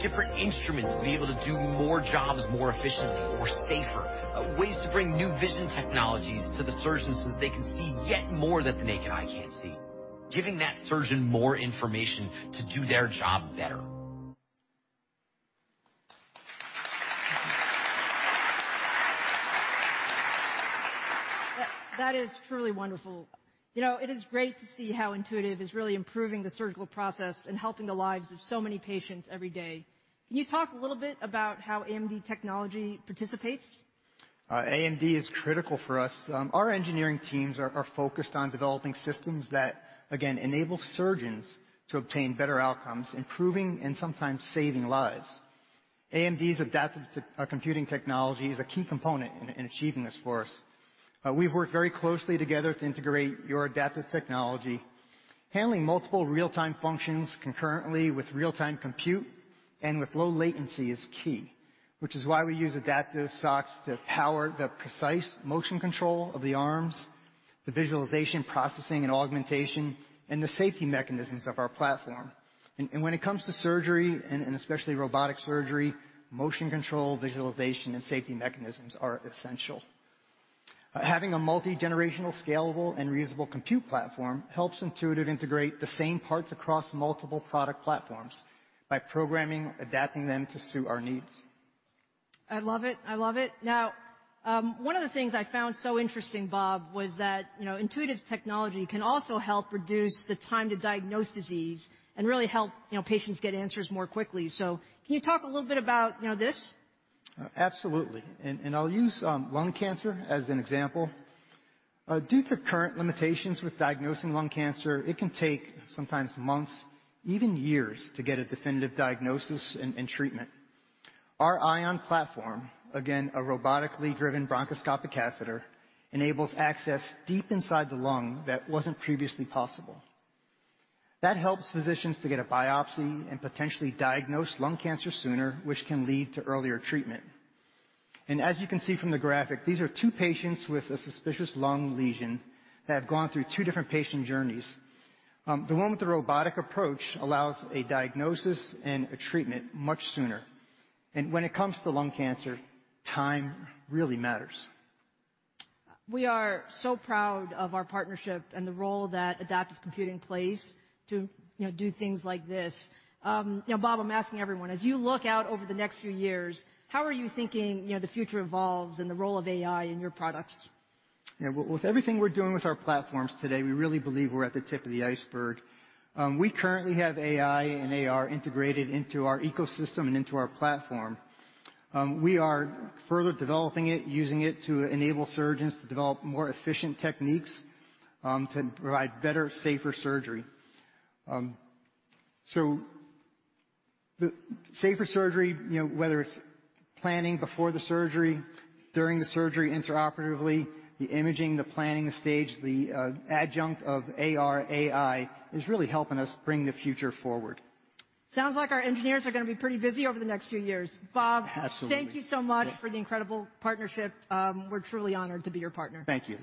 different instruments to be able to do more jobs more efficiently, more safer, ways to bring new vision technologies to the surgeons so that they can see yet more that the naked eye can't see. Giving that surgeon more information to do their job better. That is truly wonderful. You know, it is great to see how Intuitive is really improving the surgical process and helping the lives of so many patients every day. Can you talk a little bit about how AMD technology participates? AMD is critical for us. Our engineering teams are focused on developing systems that, again, enable surgeons to obtain better outcomes, improving and sometimes saving lives. AMD's adaptive computing technology is a key component in achieving this for us. We've worked very closely together to integrate your adaptive technology. Handling multiple real-time functions concurrently with real-time compute and with low latency is key, which is why we use adaptive SOCs to power the precise motion control of the arms, the visualization, processing, and augmentation, and the safety mechanisms of our platform. When it comes to surgery and especially robotic surgery, motion control, visualization, and safety mechanisms are essential. Having a multi-generational, scalable, and reusable compute platform helps Intuitive integrate the same parts across multiple product platforms by programming, adapting them to suit our needs. I love it. I love it. Now, one of the things I found so interesting, Bob, was that, you know, Intuitive's technology can also help reduce the time to diagnose disease and really help, you know, patients get answers more quickly. Can you talk a little bit about, you know, this? Absolutely. I'll use lung cancer as an example. Due to current limitations with diagnosing lung cancer, it can take sometimes months, even years, to get a definitive diagnosis and treatment. Our Ion platform, again, a robotically driven bronchoscopic catheter, enables access deep inside the lung that wasn't previously possible. That helps physicians to get a biopsy and potentially diagnose lung cancer sooner, which can lead to earlier treatment. As you can see from the graphic, these are two patients with a suspicious lung lesion that have gone through two different patient journeys. The one with the robotic approach allows a diagnosis and a treatment much sooner. When it comes to lung cancer, time really matters. We are so proud of our partnership and the role that adaptive computing plays to, you know, do things like this. you know, Bob, I'm asking everyone, as you look out over the next few years, how are you thinking, you know, the future evolves and the role of AI in your products? Yeah, with everything we're doing with our platforms today, we really believe we're at the tip of the iceberg. We currently have AI and AR integrated into our ecosystem and into our platform. We are further developing it, using it to enable surgeons to develop more efficient techniques, to provide better, safer surgery. The safer surgery, you know, whether it's planning before the surgery, during the surgery, intraoperatively, the imaging, the planning stage, the adjunct of AR, AI is really helping us bring the future forward. Sounds like our engineers are gonna be pretty busy over the next few years. Bob- Absolutely. Thank you so much for the incredible partnership. We're truly honored to be your partner. Thank you.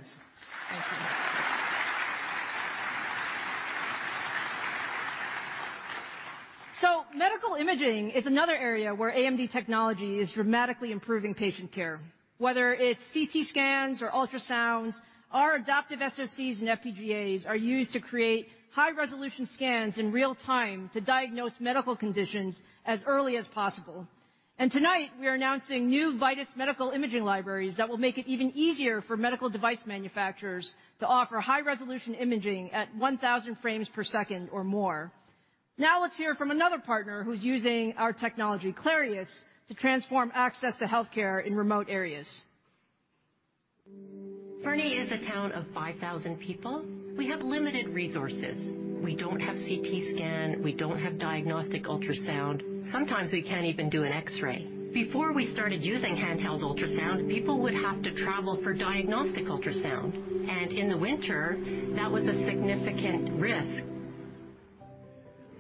Medical imaging is another area where AMD technology is dramatically improving patient care. Whether it's CT scans or ultrasounds, our adaptive SoCs and FPGAs are used to create high-resolution scans in real time to diagnose medical conditions as early as possible. Tonight, we are announcing new Vitis medical imaging libraries that will make it even easier for medical device manufacturers to offer high-resolution imaging at 1,000 frames per second or more. Let's hear from another partner who's using our technology, Clarius, to transform access to healthcare in remote areas. Fernie is a town of 5,000 people. We have limited resources. We don't have CT scan, we don't have diagnostic ultrasound. Sometimes we can't even do an X-ray. Before we started using handheld ultrasound, people would have to travel for diagnostic ultrasound, and in the winter, that was a significant risk.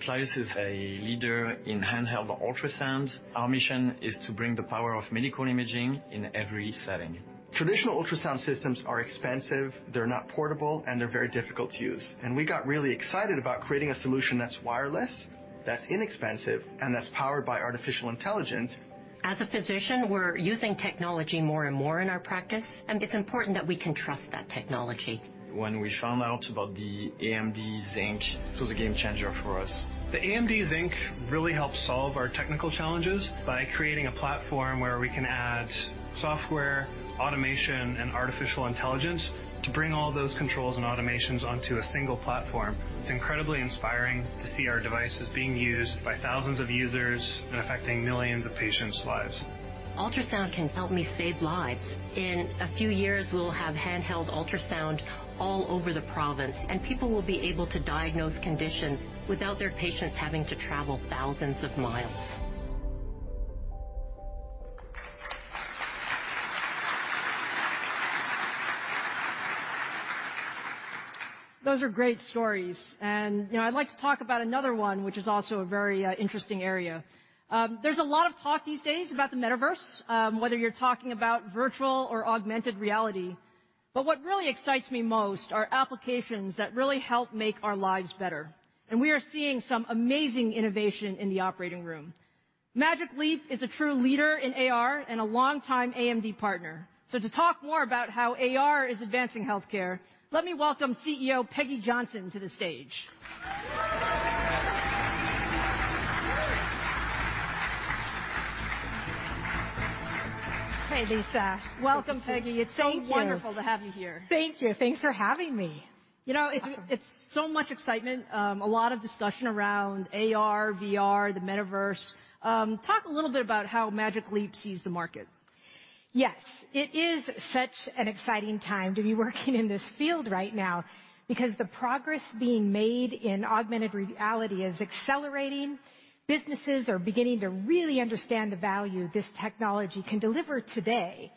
Clarius is a leader in handheld ultrasounds. Our mission is to bring the power of medical imaging in every setting. Traditional ultrasound systems are expensive, they're not portable, and they're very difficult to use. We got really excited about creating a solution that's wireless, that's inexpensive, and that's powered by artificial intelligence. As a physician, we're using technology more and more in our practice, and it's important that we can trust that technology. When we found out about the AMD Zynq, it was a game changer for us. The AMD Zynq really helped solve our technical challenges by creating a platform where we can add software, automation, and artificial intelligence to bring all those controls and automations onto a single platform. It's incredibly inspiring to see our devices being used by thousands of users and affecting millions of patients' lives. Ultrasound can help me save lives. In a few years, we'll have handheld ultrasound all over the province, and people will be able to diagnose conditions without their patients having to travel thousands of miles. Those are great stories. You know, I'd like to talk about another one which is also a very interesting area. There's a lot of talk these days about the metaverse, whether you're talking about virtual or augmented reality. What really excites me most are applications that really help make our lives better. We are seeing some amazing innovation in the operating room. Magic Leap is a true leader in AR and a long time AMD partner. To talk more about how AR is advancing healthcare, let me welcome CEO Peggy Johnson to the stage. Hey, Lisa. Welcome, Peggy. Thank you. It's so wonderful to have you here. Thank you. Thanks for having me. You know... Awesome. It's so much excitement, a lot of discussion around AR, VR, the Metaverse. Talk a little bit about how Magic Leap sees the market. Yes. It is such an exciting time to be working in this field right now because the progress being made in augmented reality is accelerating. Businesses are beginning to really understand the value this technology can deliver today.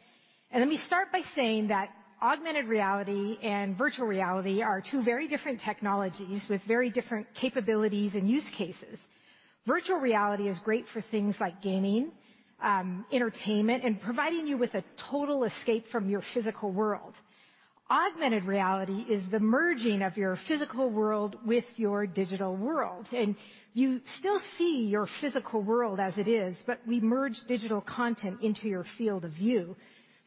Let me start by saying that augmented reality and virtual reality are two very different technologies with very different capabilities and use cases. Virtual reality is great for things like gaming, entertainment, and providing you with a total escape from your physical world. Augmented reality is the merging of your physical world with your digital world, and you still see your physical world as it is, but we merge digital content into your field of view.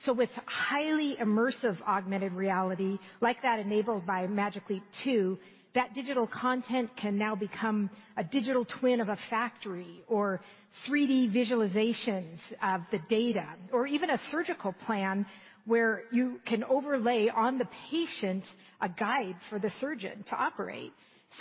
With highly immersive augmented reality, like that enabled by Magic Leap 2, that digital content can now become a digital twin of a factory or 3D visualizations of the data, or even a surgical plan where you can overlay on the patient a guide for the surgeon to operate.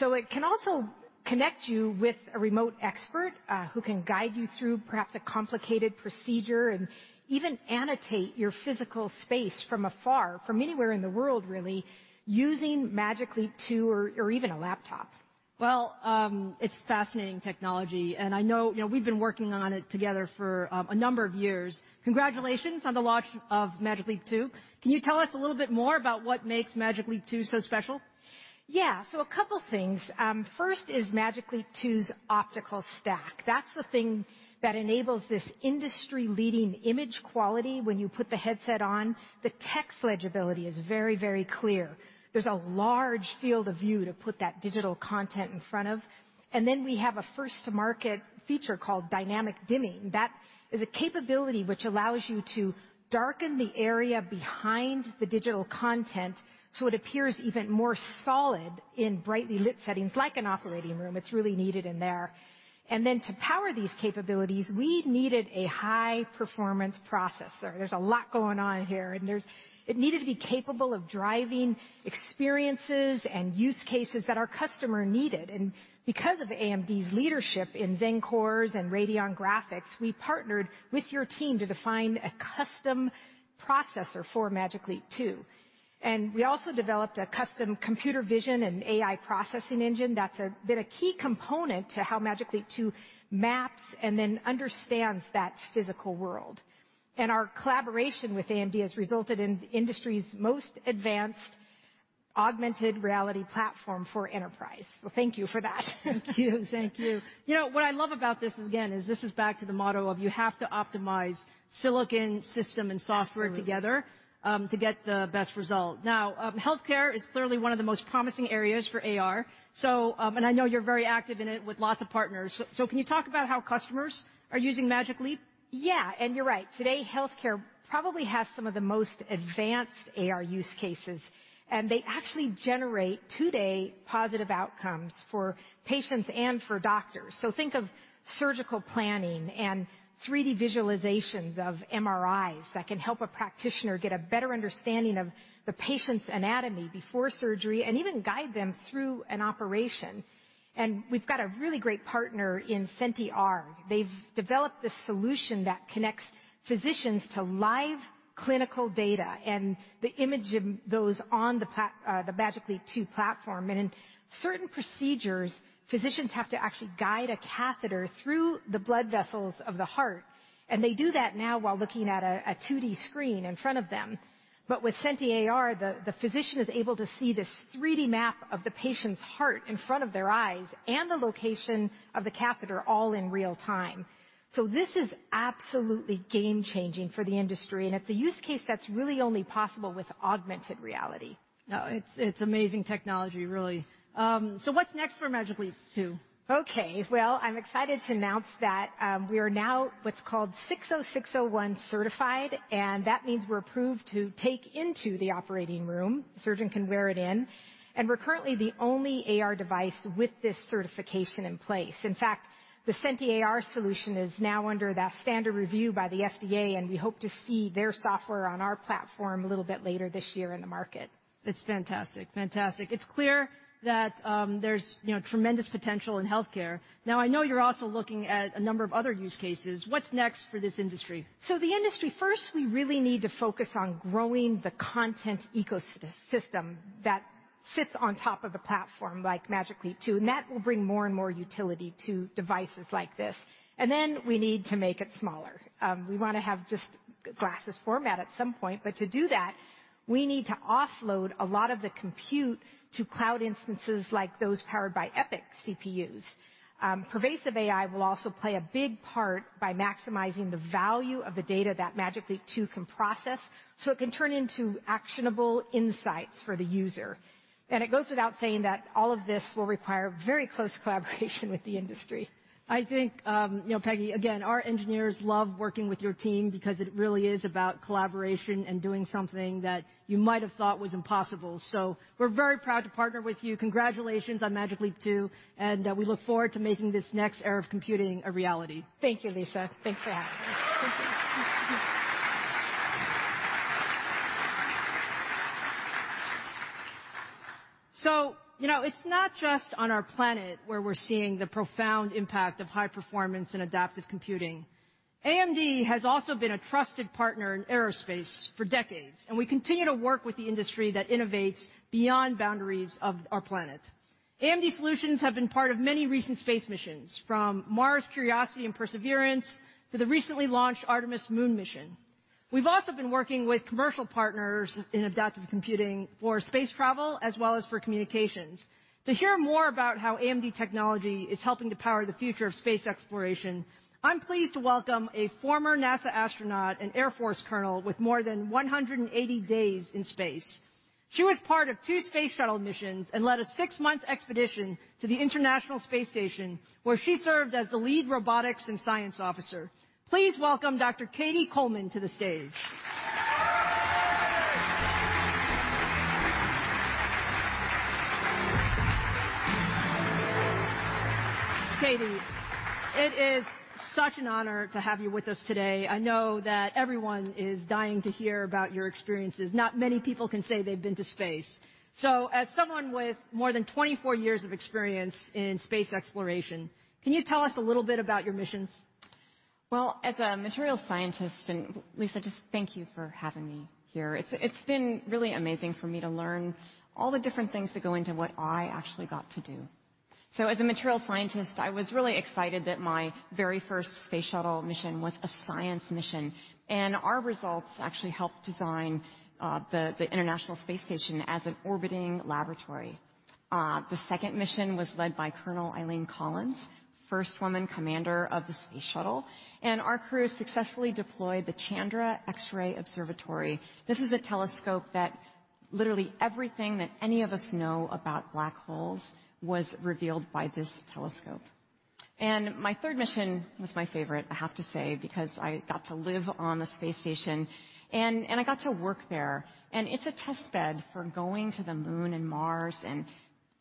It can also connect you with a remote expert, who can guide you through perhaps a complicated procedure and even annotate your physical space from afar, from anywhere in the world really, using Magic Leap 2 or even a laptop. It's fascinating technology, and I know, you know, we've been working on it together for, a number of years. Congratulations on the launch of Magic Leap 2. Can you tell us a little bit more about what makes Magic Leap 2 so special? Yeah. A couple things. First is Magic Leap 2's optical stack. That's the thing that enables this industry-leading image quality when you put the headset on. The text legibility is very clear. There's a large field of view to put that digital content in front of. We have a first to market feature called Dynamic Dimming. That is a capability which allows you to darken the area behind the digital content, so it appears even more solid in brightly lit settings like an operating room. It's really needed in there. To power these capabilities, we needed a high performance processor. There's a lot going on here. It needed to be capable of driving experiences and use cases that our customer needed. Because of AMD's leadership in Zen Core and Radeon graphics, we partnered with your team to define a custom processor for Magic Leap 2. We also developed a custom computer vision and AI processing engine that's been a key component to how Magic Leap 2 maps and then understands that physical world. Our collaboration with AMD has resulted in the industry's most advanced augmented reality platform for enterprise. Well, thank you for that. Thank you. Thank you. You know, what I love about this is, again, is this is back to the motto of you have to optimize silicon, system, and software together... Absolutely. To get the best result. Healthcare is clearly one of the most promising areas for AR. I know you're very active in it with lots of partners. Can you talk about how customers are using Magic Leap? Yeah. You're right. Today, healthcare probably has some of the most advanced AR use cases, they actually generate today positive outcomes for patients and for doctors. Think of surgical planning and 3D visualizations of MRIs that can help a practitioner get a better understanding of the patient's anatomy before surgery, and even guide them through an operation. We've got a really great partner in SentiAR. They've developed this solution that connects physicians to clinical data and the image of those on the Magic Leap 2 platform. In certain procedures, physicians have to actually guide a catheter through the blood vessels of the heart, and they do that now while looking at a 2D screen in front of them. With SentiAR, the physician is able to see this 3D map of the patient's heart in front of their eyes and the location of the catheter all in real-time. This is absolutely game-changing for the industry, and it's a use case that's really only possible with augmented reality. No, it's amazing technology, really. What's next for Magic Leap 2? Okay. Well, I'm excited to announce that we are now what's called 60601 certified. That means we're approved to take into the operating room. The surgeon can wear it in. We're currently the only AR device with this certification in place. In fact, the SentiAR solution is now under that standard review by the FDA. We hope to see their software on our platform a little bit later this year in the market. It's fantastic. Fantastic. It's clear that there's, you know, tremendous potential in healthcare. I know you're also looking at a number of other use cases. What's next for this industry? The industry, first, we really need to focus on growing the content ecosystem that sits on top of a platform like Magic Leap 2, and that will bring more and more utility to devices like this. Then we need to make it smaller. We wanna have just glasses format at some point, but to do that, we need to offload a lot of the compute to cloud instances like those powered by EPYC CPUs. Pervasive AI will also play a big part by maximizing the value of the data that Magic Leap 2 can process, so it can turn into actionable insights for the user. It goes without saying that all of this will require very close collaboration with the industry. I think, you know, Peggy, again, our engineers love working with your team because it really is about collaboration and doing something that you might have thought was impossible. We're very proud to partner with you. Congratulations on Magic Leap 2, and we look forward to making this next era of computing a reality. Thank you, Lisa. Thanks for having me. You know, it's not just on our planet where we're seeing the profound impact of high performance and adaptive computing. AMD has also been a trusted partner in aerospace for decades, and we continue to work with the industry that innovates beyond boundaries of our planet. AMD solutions have been part of many recent space missions, from Mars Curiosity and Perseverance to the recently launched Artemis moon mission. We've also been working with commercial partners in adaptive computing for space travel, as well as for communications. To hear more about how AMD technology is helping to power the future of space exploration, I'm pleased to welcome a former NASA astronaut and Air Force colonel with more than 180 days in space. She was part of two space shuttle missions and led a 6-month expedition to the International Space Station, where she served as the lead robotics and science officer. Please welcome Dr. Cady Coleman to the stage. Cady, it is such an honor to have you with us today. I know that everyone is dying to hear about your experiences. Not many people can say they've been to space. As someone with more than 24 years of experience in space exploration, can you tell us a little bit about your missions? As a materials scientist and Lisa, just thank you for having me here. It's been really amazing for me to learn all the different things that go into what I actually got to do. As a materials scientist, I was really excited that my very first space shuttle mission was a science mission, and our results actually helped design the International Space Station as an orbiting laboratory. The second mission was led by Colonel Eileen Collins, first woman commander of the space shuttle, and our crew successfully deployed the Chandra X-ray Observatory. This is a telescope that literally everything that any of us know about black holes was revealed by this telescope. My third mission was my favorite, I have to say, because I got to live on the space station and I got to work there. It's a test bed for going to the Moon and Mars,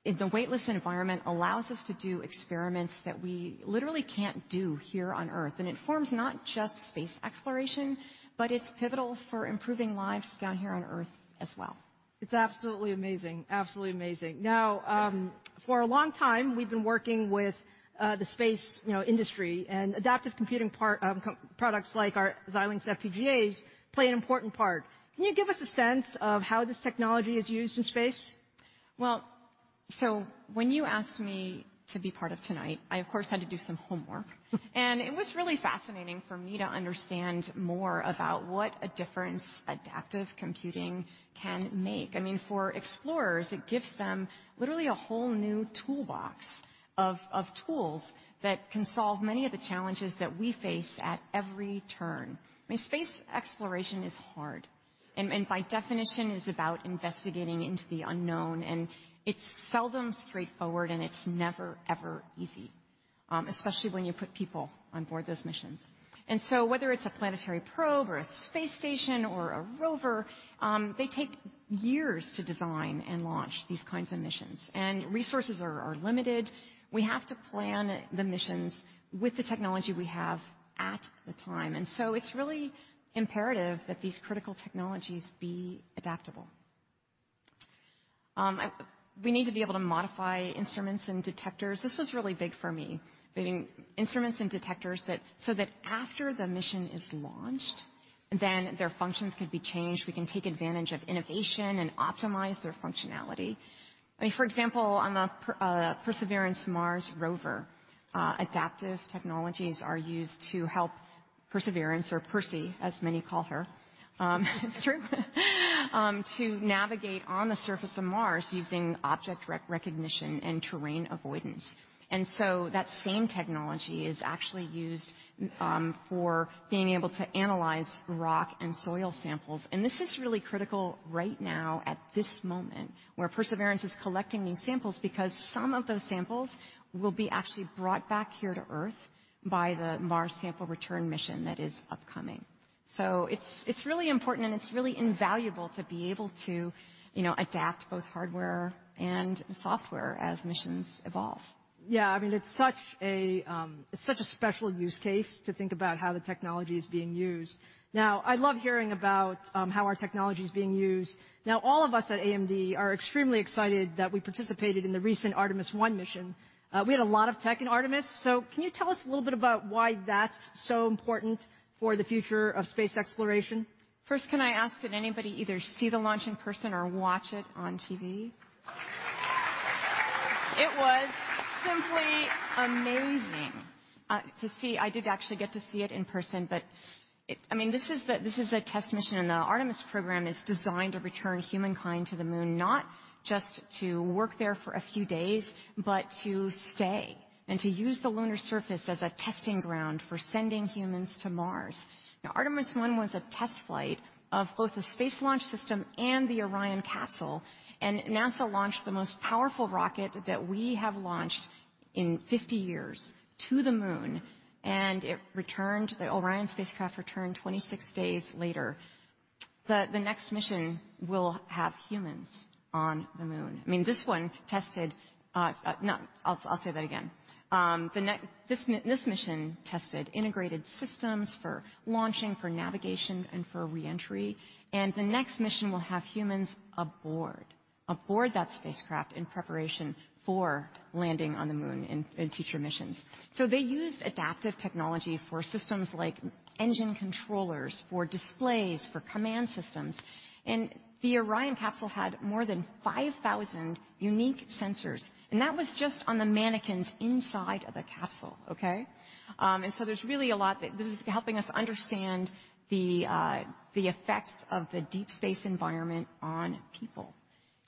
the weightless environment allows us to do experiments that we literally can't do here on Earth. It forms not just space exploration, but it's pivotal for improving lives down here on Earth as well. It's absolutely amazing. Absolutely amazing. For a long time, we've been working with the space, you know, industry and adaptive computing part, co- products like our Xilinx FPGA play an important part. Can you give us a sense of how this technology is used in space? When you asked me to be part of tonight, I, of course, had to do some homework. It was really fascinating for me to understand more about what a difference adaptive computing can make. I mean, for explorers, it gives them literally a whole new toolbox of tools that can solve many of the challenges that we face at every turn. I mean, space exploration is hard and by definition, is about investigating into the unknown, and it's seldom straightforward, and it's never, ever easy, especially when you put people on board those missions. Whether it's a planetary probe or a space station or a rover, they take years to design and launch these kinds of missions, and resources are limited. We have to plan the missions with the technology we have at the time. It's really imperative that these critical technologies be adaptable. We need to be able to modify instruments and detectors. This was really big for me. We need instruments and detectors that so that after the mission is launched, then their functions can be changed. We can take advantage of innovation and optimize their functionality. I mean, for example, on the Perseverance Mars rover, adaptive technologies are used to help Perseverance or Percy, as many call her, it's true, to navigate on the surface of Mars using object recognition and terrain avoidance. That same technology is actually used for being able to analyze rock and soil samples, and this is really critical right now at this moment where Perseverance is collecting these samples because some of those samples will be actually brought back here to Earth by the Mars Sample Return mission that is upcoming. It's really important and it's really invaluable to be able to, you know, adapt both hardware and software as missions evolve. Yeah. I mean, it's such a, it's such a special use case to think about how the technology is being used. Now, I love hearing about, how our technology is being used. Now, all of us at AMD are extremely excited that we participated in the recent Artemis I mission. We had a lot of tech in Artemis. Can you tell us a little bit about why that's so important for the future of space exploration? First, can I ask, did anybody either see the launch in person or watch it on TV? It was simply amazing to see. I did actually get to see it in person, I mean, this is the test mission, the Artemis program is designed to return humankind to the moon, not just to work there for a few days, but to stay and to use the lunar surface as a testing ground for sending humans to Mars. Artemis I was a test flight of both the space launch system and the Orion capsule, NASA launched the most powerful rocket that we have launched in 50 years to the moon, the Orion spacecraft returned 26 days later. The next mission will have humans on the moon. I mean, this one tested, I'll say that again. This mission tested integrated systems for launching, for navigation and for reentry, and the next mission will have humans aboard that spacecraft in preparation for landing on the moon in future missions. They used adaptive technology for systems like engine controllers, for displays, for command systems, and the Orion capsule had more than 5,000 unique sensors, and that was just on the mannequins inside of the capsule, okay? There's really a lot that this is helping us understand the effects of the deep space environment on people.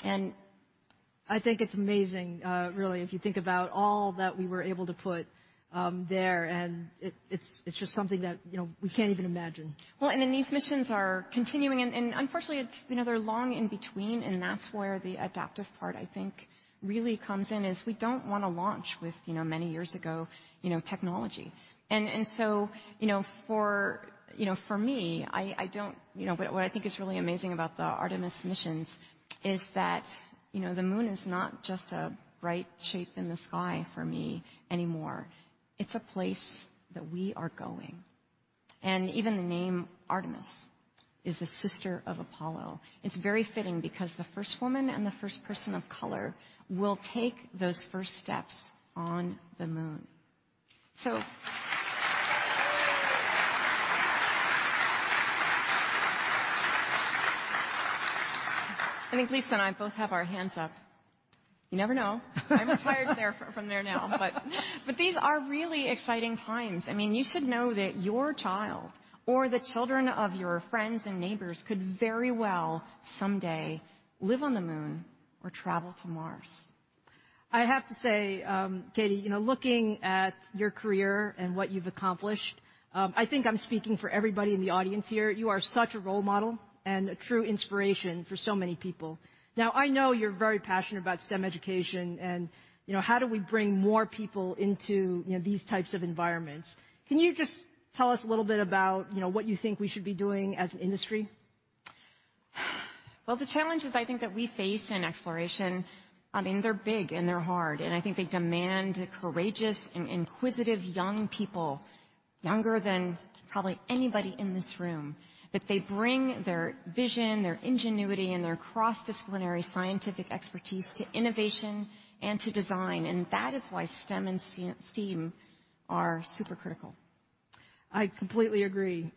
I think it's amazing, really, if you think about all that we were able to put, there, and it's just something that, you know, we can't even imagine. These missions are continuing and unfortunately, it's, you know, they're long in between, and that's where the adaptive part I think really comes in, is we don't wanna launch with, you know, many years ago, you know, technology. For me, I don't. You know, what I think is really amazing about the Artemis missions is that, you know, the moon is not just a bright shape in the sky for me anymore. It's a place that we are going. The name Artemis is the sister of Apollo. It's very fitting because the first woman and the first person of color will take those first steps on the moon. I think Lisa and I both have our hands up. You never know. I'm retired from there now, but these are really exciting times. I mean, you should know that your child or the children of your friends and neighbors could very well someday live on the moon or travel to Mars. I have to say, Cady, you know, looking at your career and what you've accomplished, I think I'm speaking for everybody in the audience here. You are such a role model and a true inspiration for so many people. Now, I know you're very passionate about STEM education and, you know, how do we bring more people into, you know, these types of environments. Can you just tell us a little bit about, you know, what you think we should be doing as an industry? Well, the challenges I think that we face in exploration, I mean, they're big and they're hard. I think they demand courageous and inquisitive young people, younger than probably anybody in this room, that they bring their vision, their ingenuity, and their cross-disciplinary scientific expertise to innovation and to design. That is why STEM and STEAM are super critical. I completely agree.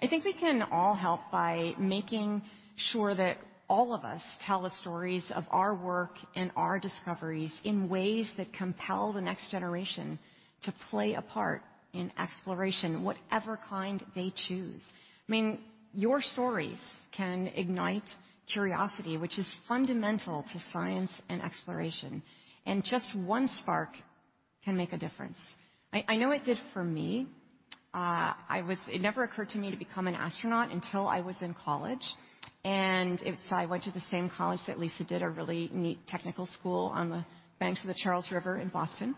I think we can all help by making sure that all of us tell the stories of our work and our discoveries in ways that compel the next generation to play a part in exploration, whatever kind they choose. I mean, your stories can ignite curiosity, which is fundamental to science and exploration, and just one spark can make a difference. I know it did for me. It never occurred to me to become an astronaut until I was in college, and I went to the same college that Lisa did, a really neat technical school on the banks of the Charles River in Boston.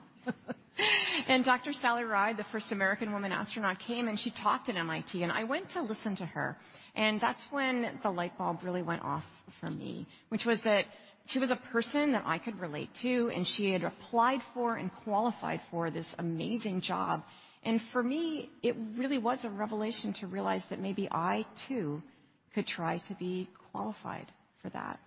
Dr. Sally Ride, the first American woman astronaut, came and she talked at MIT, and I went to listen to her, and that's when the light bulb really went off for me, which was that she was a person that I could relate to, and she had applied for and qualified for this amazing job. For me, it really was a revelation to realize that maybe I too could try to be qualified for that.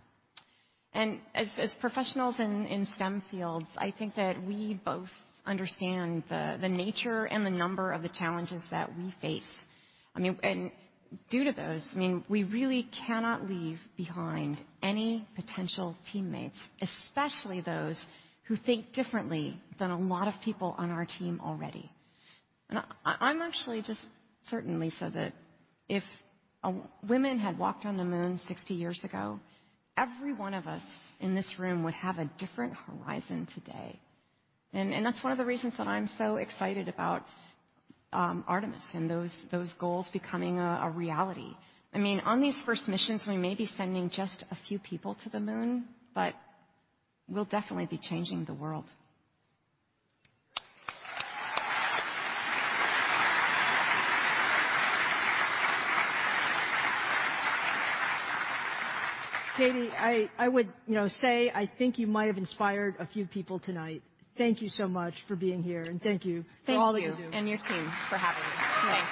As professionals in STEM fields, I think that we both understand the nature and the number of the challenges that we face. I mean, and due to those, I mean, we really cannot leave behind any potential teammates, especially those who think differently than a lot of people on our team already. I'm actually just certain, Lisa, that if women had walked on the moon 60 years ago, every one of us in this room would have a different horizon today. That's one of the reasons that I'm so excited about Artemis and those goals becoming a reality. I mean, on these first missions, we may be sending just a few people to the moon, but we'll definitely be changing the world. Katie, I would, you know, say I think you might have inspired a few people tonight. Thank you so much for being here, and thank you for all that you do. Thank you and your team for having me.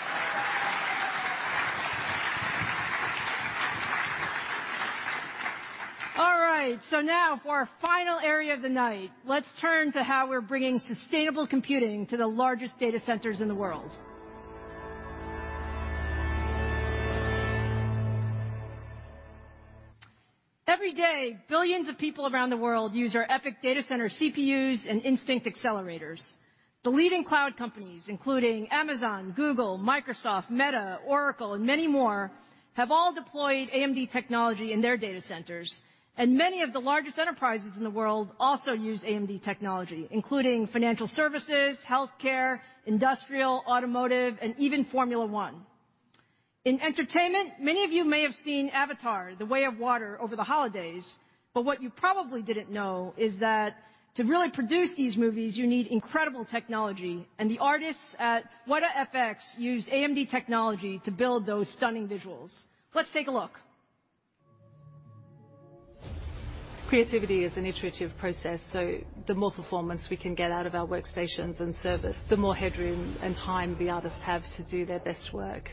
Thanks. All right. Now for our final area of the night, let's turn to how we're bringing sustainable computing to the largest data centers in the world. Every day, billions of people around the world use our EPYC Data Center CPUs and Instinct accelerators. The leading cloud companies, including Amazon, Google, Microsoft, Meta, Oracle, and many more, have all deployed AMD technology in their data centers, and many of the largest enterprises in the world also use AMD technology, including financial services, healthcare, industrial, automotive, and even Formula 1. In entertainment, many of you may have seen Avatar: The Way of Water over the holidays. What you probably didn't know is that to really produce these movies, you need incredible technology. The artists at Wētā FX used AMD technology to build those stunning visuals. Let's take a look. Creativity is an iterative process. The more performance we can get out of our workstations and servers, the more headroom and time the artists have to do their best work.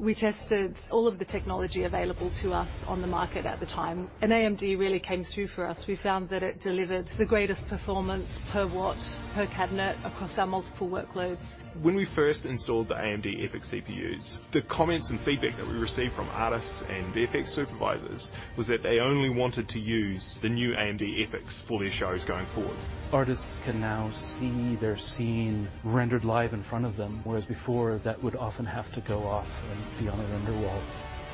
We tested all of the technology available to us on the market at the time. AMD really came through for us. We found that it delivered the greatest performance per watt, per cabinet across our multiple workloads. When we first installed the AMD EPYC CPUs, the comments and feedback that we received from artists and VFX supervisors was that they only wanted to use the new AMD EPYCs for their shows going forward. Artists can now see their scene rendered live in front of them, whereas before, that would often have to go off and be on a render wall.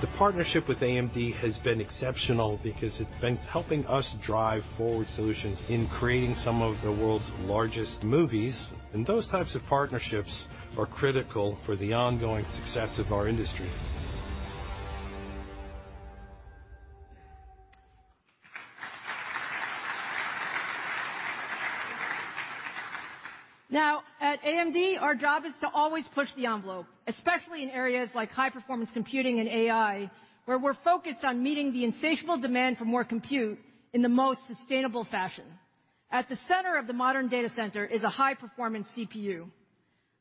The partnership with AMD has been exceptional because it's been helping us drive forward solutions in creating some of the world's largest movies. Those types of partnerships are critical for the ongoing success of our industry. At AMD, our job is to always push the envelope, especially in areas like high-performance computing and AI, where we're focused on meeting the insatiable demand for more compute in the most sustainable fashion. At the center of the modern data center is a high-performance CPU.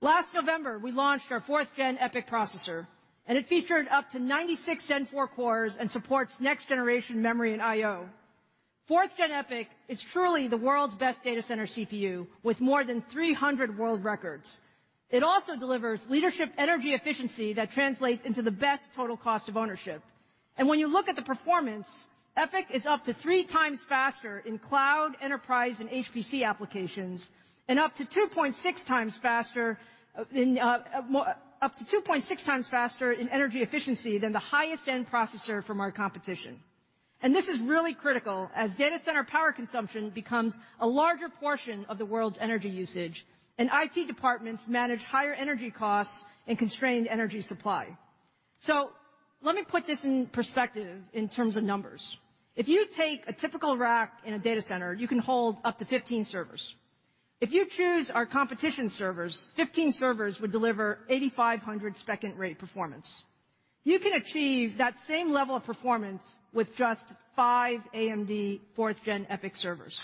Last November, we launched our 4th-gen EPYC processor, and it featured up to 96 Zen 4 cores and supports next generation memory and IO. 4th-gen EPYC is truly the world's best data center CPU with more than 300 world records. It also delivers leadership energy efficiency that translates into the best total cost of ownership. When you look at the performance, EPYC is up to 3x faster in cloud, enterprise, and HPC applications and up to 2.6x faster in energy efficiency than the highest end processor from our competition. This is really critical as data center power consumption becomes a larger portion of the world's energy usage and IT departments manage higher energy costs and constrained energy supply. Let me put this in perspective in terms of numbers. If you take a typical rack in a data center, you can hold up to 15 servers. If you choose our competition servers, 15 servers would deliver 8,500 SPECint_rate performance. You can achieve that same level of performance with just five AMD 4th gen EPYC servers.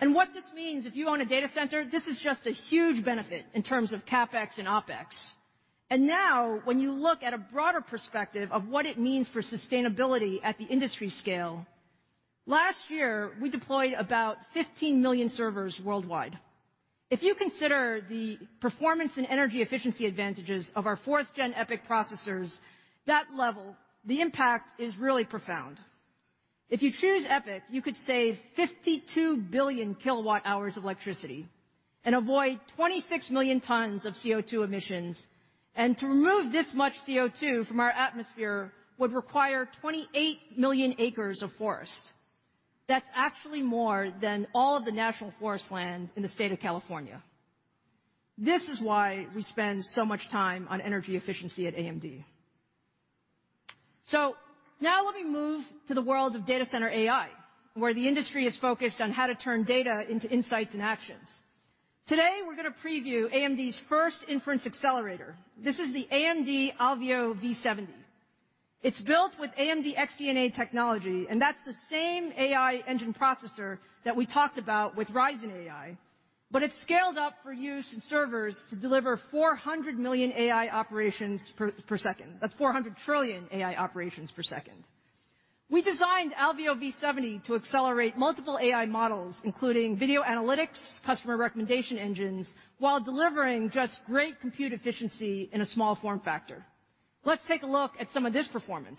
What this means, if you own a data center, this is just a huge benefit in terms of CapEx and OpEx. Now when you look at a broader perspective of what it means for sustainability at the industry scale, last year we deployed about 15 million servers worldwide. If you consider the performance and energy efficiency advantages of our 4th gen EPYC processors, that level, the impact is really profound. If you choose EPYC, you could save 52 billion kWh of electricity and avoid 26 million tons of CO2 emissions. To remove this much CO2 from our atmosphere would require 28 million acres of forest. That's actually more than all of the national forest land in the state of California. This is why we spend so much time on energy efficiency at AMD. Now let me move to the world of data center AI, where the industry is focused on how to turn data into insights and actions. Today, we're gonna preview AMD's first inference accelerator. This is the AMD Alveo V70. It's built with AMD XDNA technology, that's the same AI engine processor that we talked about with Ryzen AI, but it's scaled up for use in servers to deliver 400 million AI operations per second. That's 400 trillion AI operations per second. We designed Alveo V70 to accelerate multiple AI models, including video analytics, customer recommendation engines, while delivering just great compute efficiency in a small form factor. Let's take a look at some of this performance.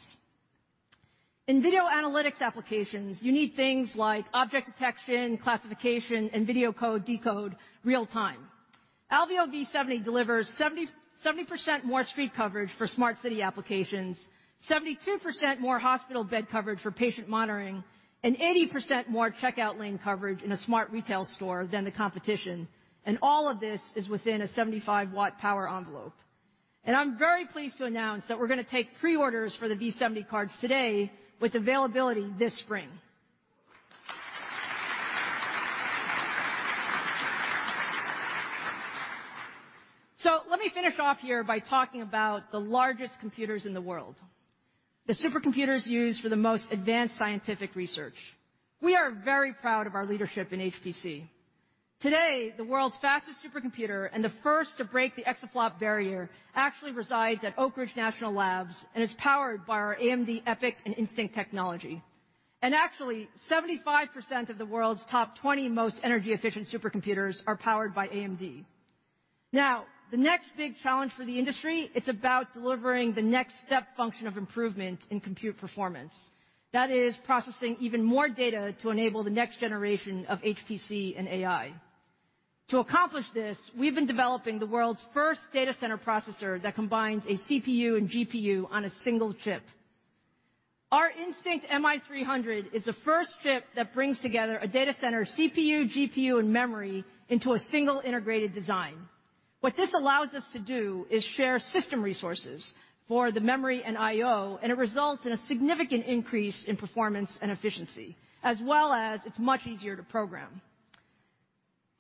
In video analytics applications, you need things like object detection, classification, and video code, decode real-time. Alveo V70 delivers 70% more street coverage for smart city applications, 72% more hospital bed coverage for patient monitoring, and 80% more checkout lane coverage in a smart retail store than the competition, all of this is within a 75 watt power envelope. I'm very pleased to announce that we're gonna take pre-orders for the V70 cards today with availability this spring. Let me finish off here by talking about the largest computers in the world. The supercomputers used for the most advanced scientific research. We are very proud of our leadership in HPC. Today, the world's fastest supercomputer and the first to break the exaflop barrier actually resides at Oak Ridge National Labs, and it's powered by our AMD EPYC and Instinct technology. Actually, 75% of the world's top 20 most energy-efficient supercomputers are powered by AMD. The next big challenge for the industry, it's about delivering the next step function of improvement in compute performance. That is processing even more data to enable the next generation of HPC and AI. To accomplish this, we've been developing the world's first data center processor that combines a CPU and GPU on a single chip. Our Instinct MI300 is the first chip that brings together a data center CPU, GPU, and memory into a single integrated design. What this allows us to do is share system resources for the memory and IO, and it results in a significant increase in performance and efficiency, as well as it's much easier to program.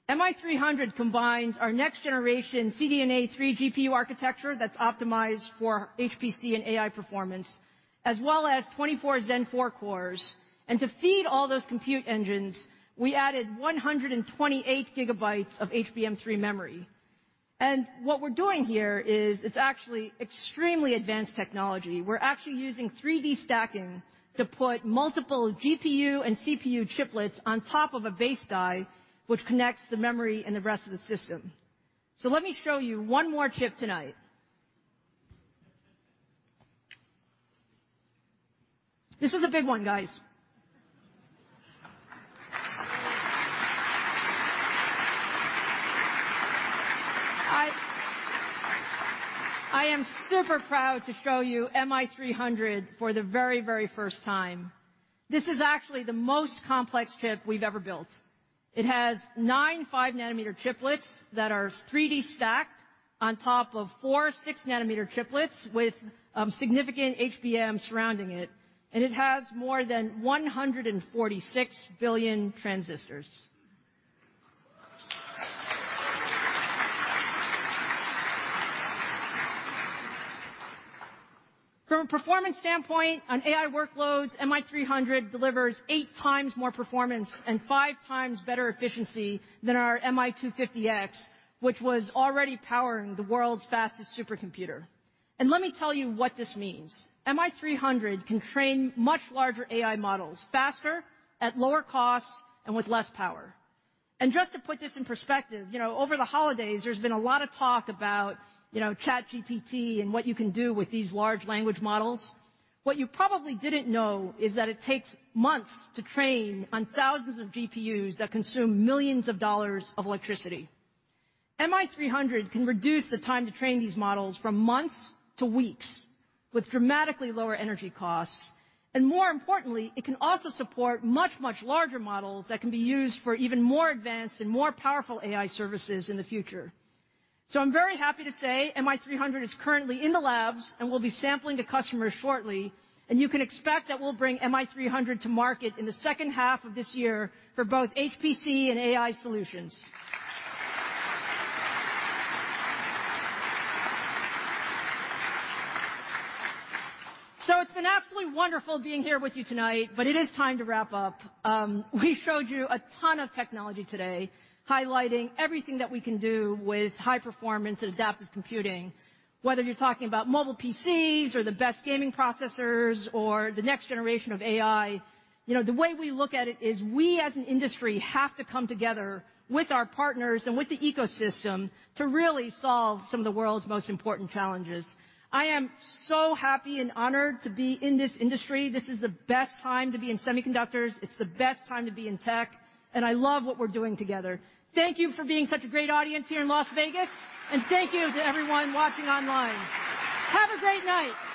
MI300 combines our next generation CDNA 3 GPU architecture that's optimized for HPC and AI performance, as well as 24 Zen 4 cores. To feed all those compute engines, we added 128 GB of HBM3 memory. What we're doing here is it's actually extremely advanced technology. We're actually using 3D stacking to put multiple GPU and CPU chiplets on top of a base die, which connects the memory and the rest of the system. Let me show you one more chip tonight. This is a big one, guys. I am super proud to show you MI300 for the very, very first time. This is actually the most complex chip we've ever built. It has nine 5 nm chiplets that are 3D stacked on top of four 6 nm chiplets with significant HBM surrounding it, and it has more than 146 billion transistors. From a performance standpoint on AI workloads, MI300 delivers 8x more performance and 5x better efficiency than our MI250X, which was already powering the world's fastest supercomputer. Let me tell you what this means. MI300 can train much larger AI models faster, at lower costs, and with less power. Just to put this in perspective, you know, over the holidays, there's been a lot of talk about, you know, ChatGPT and what you can do with these large language models. What you probably didn't know is that it takes months to train on thousands of GPUs that consume millions of dollars of electricity. MI300 can reduce the time to train these models from months to weeks with dramatically lower energy costs. More importantly, it can also support much, much larger models that can be used for even more advanced and more powerful AI services in the future. I'm very happy to say Instinct MI300 is currently in the labs and will be sampling to customers shortly, and you can expect that we'll bring Instinct MI300 to market in the second half of this year for both HPC and AI solutions. It's been absolutely wonderful being here with you tonight, but it is time to wrap up. We showed you a ton of technology today, highlighting everything that we can do with high performance and adaptive computing. Whether you're talking about mobile PCs or the best gaming processors or the next generation of AI, you know, the way we look at it is we as an industry have to come together with our partners and with the ecosystem to really solve some of the world's most important challenges. I am so happy and honored to be in this industry. This is the best time to be in semiconductors. It's the best time to be in tech, and I love what we're doing together. Thank you for being such a great audience here in Las Vegas, and thank you to everyone watching online. Have a great night.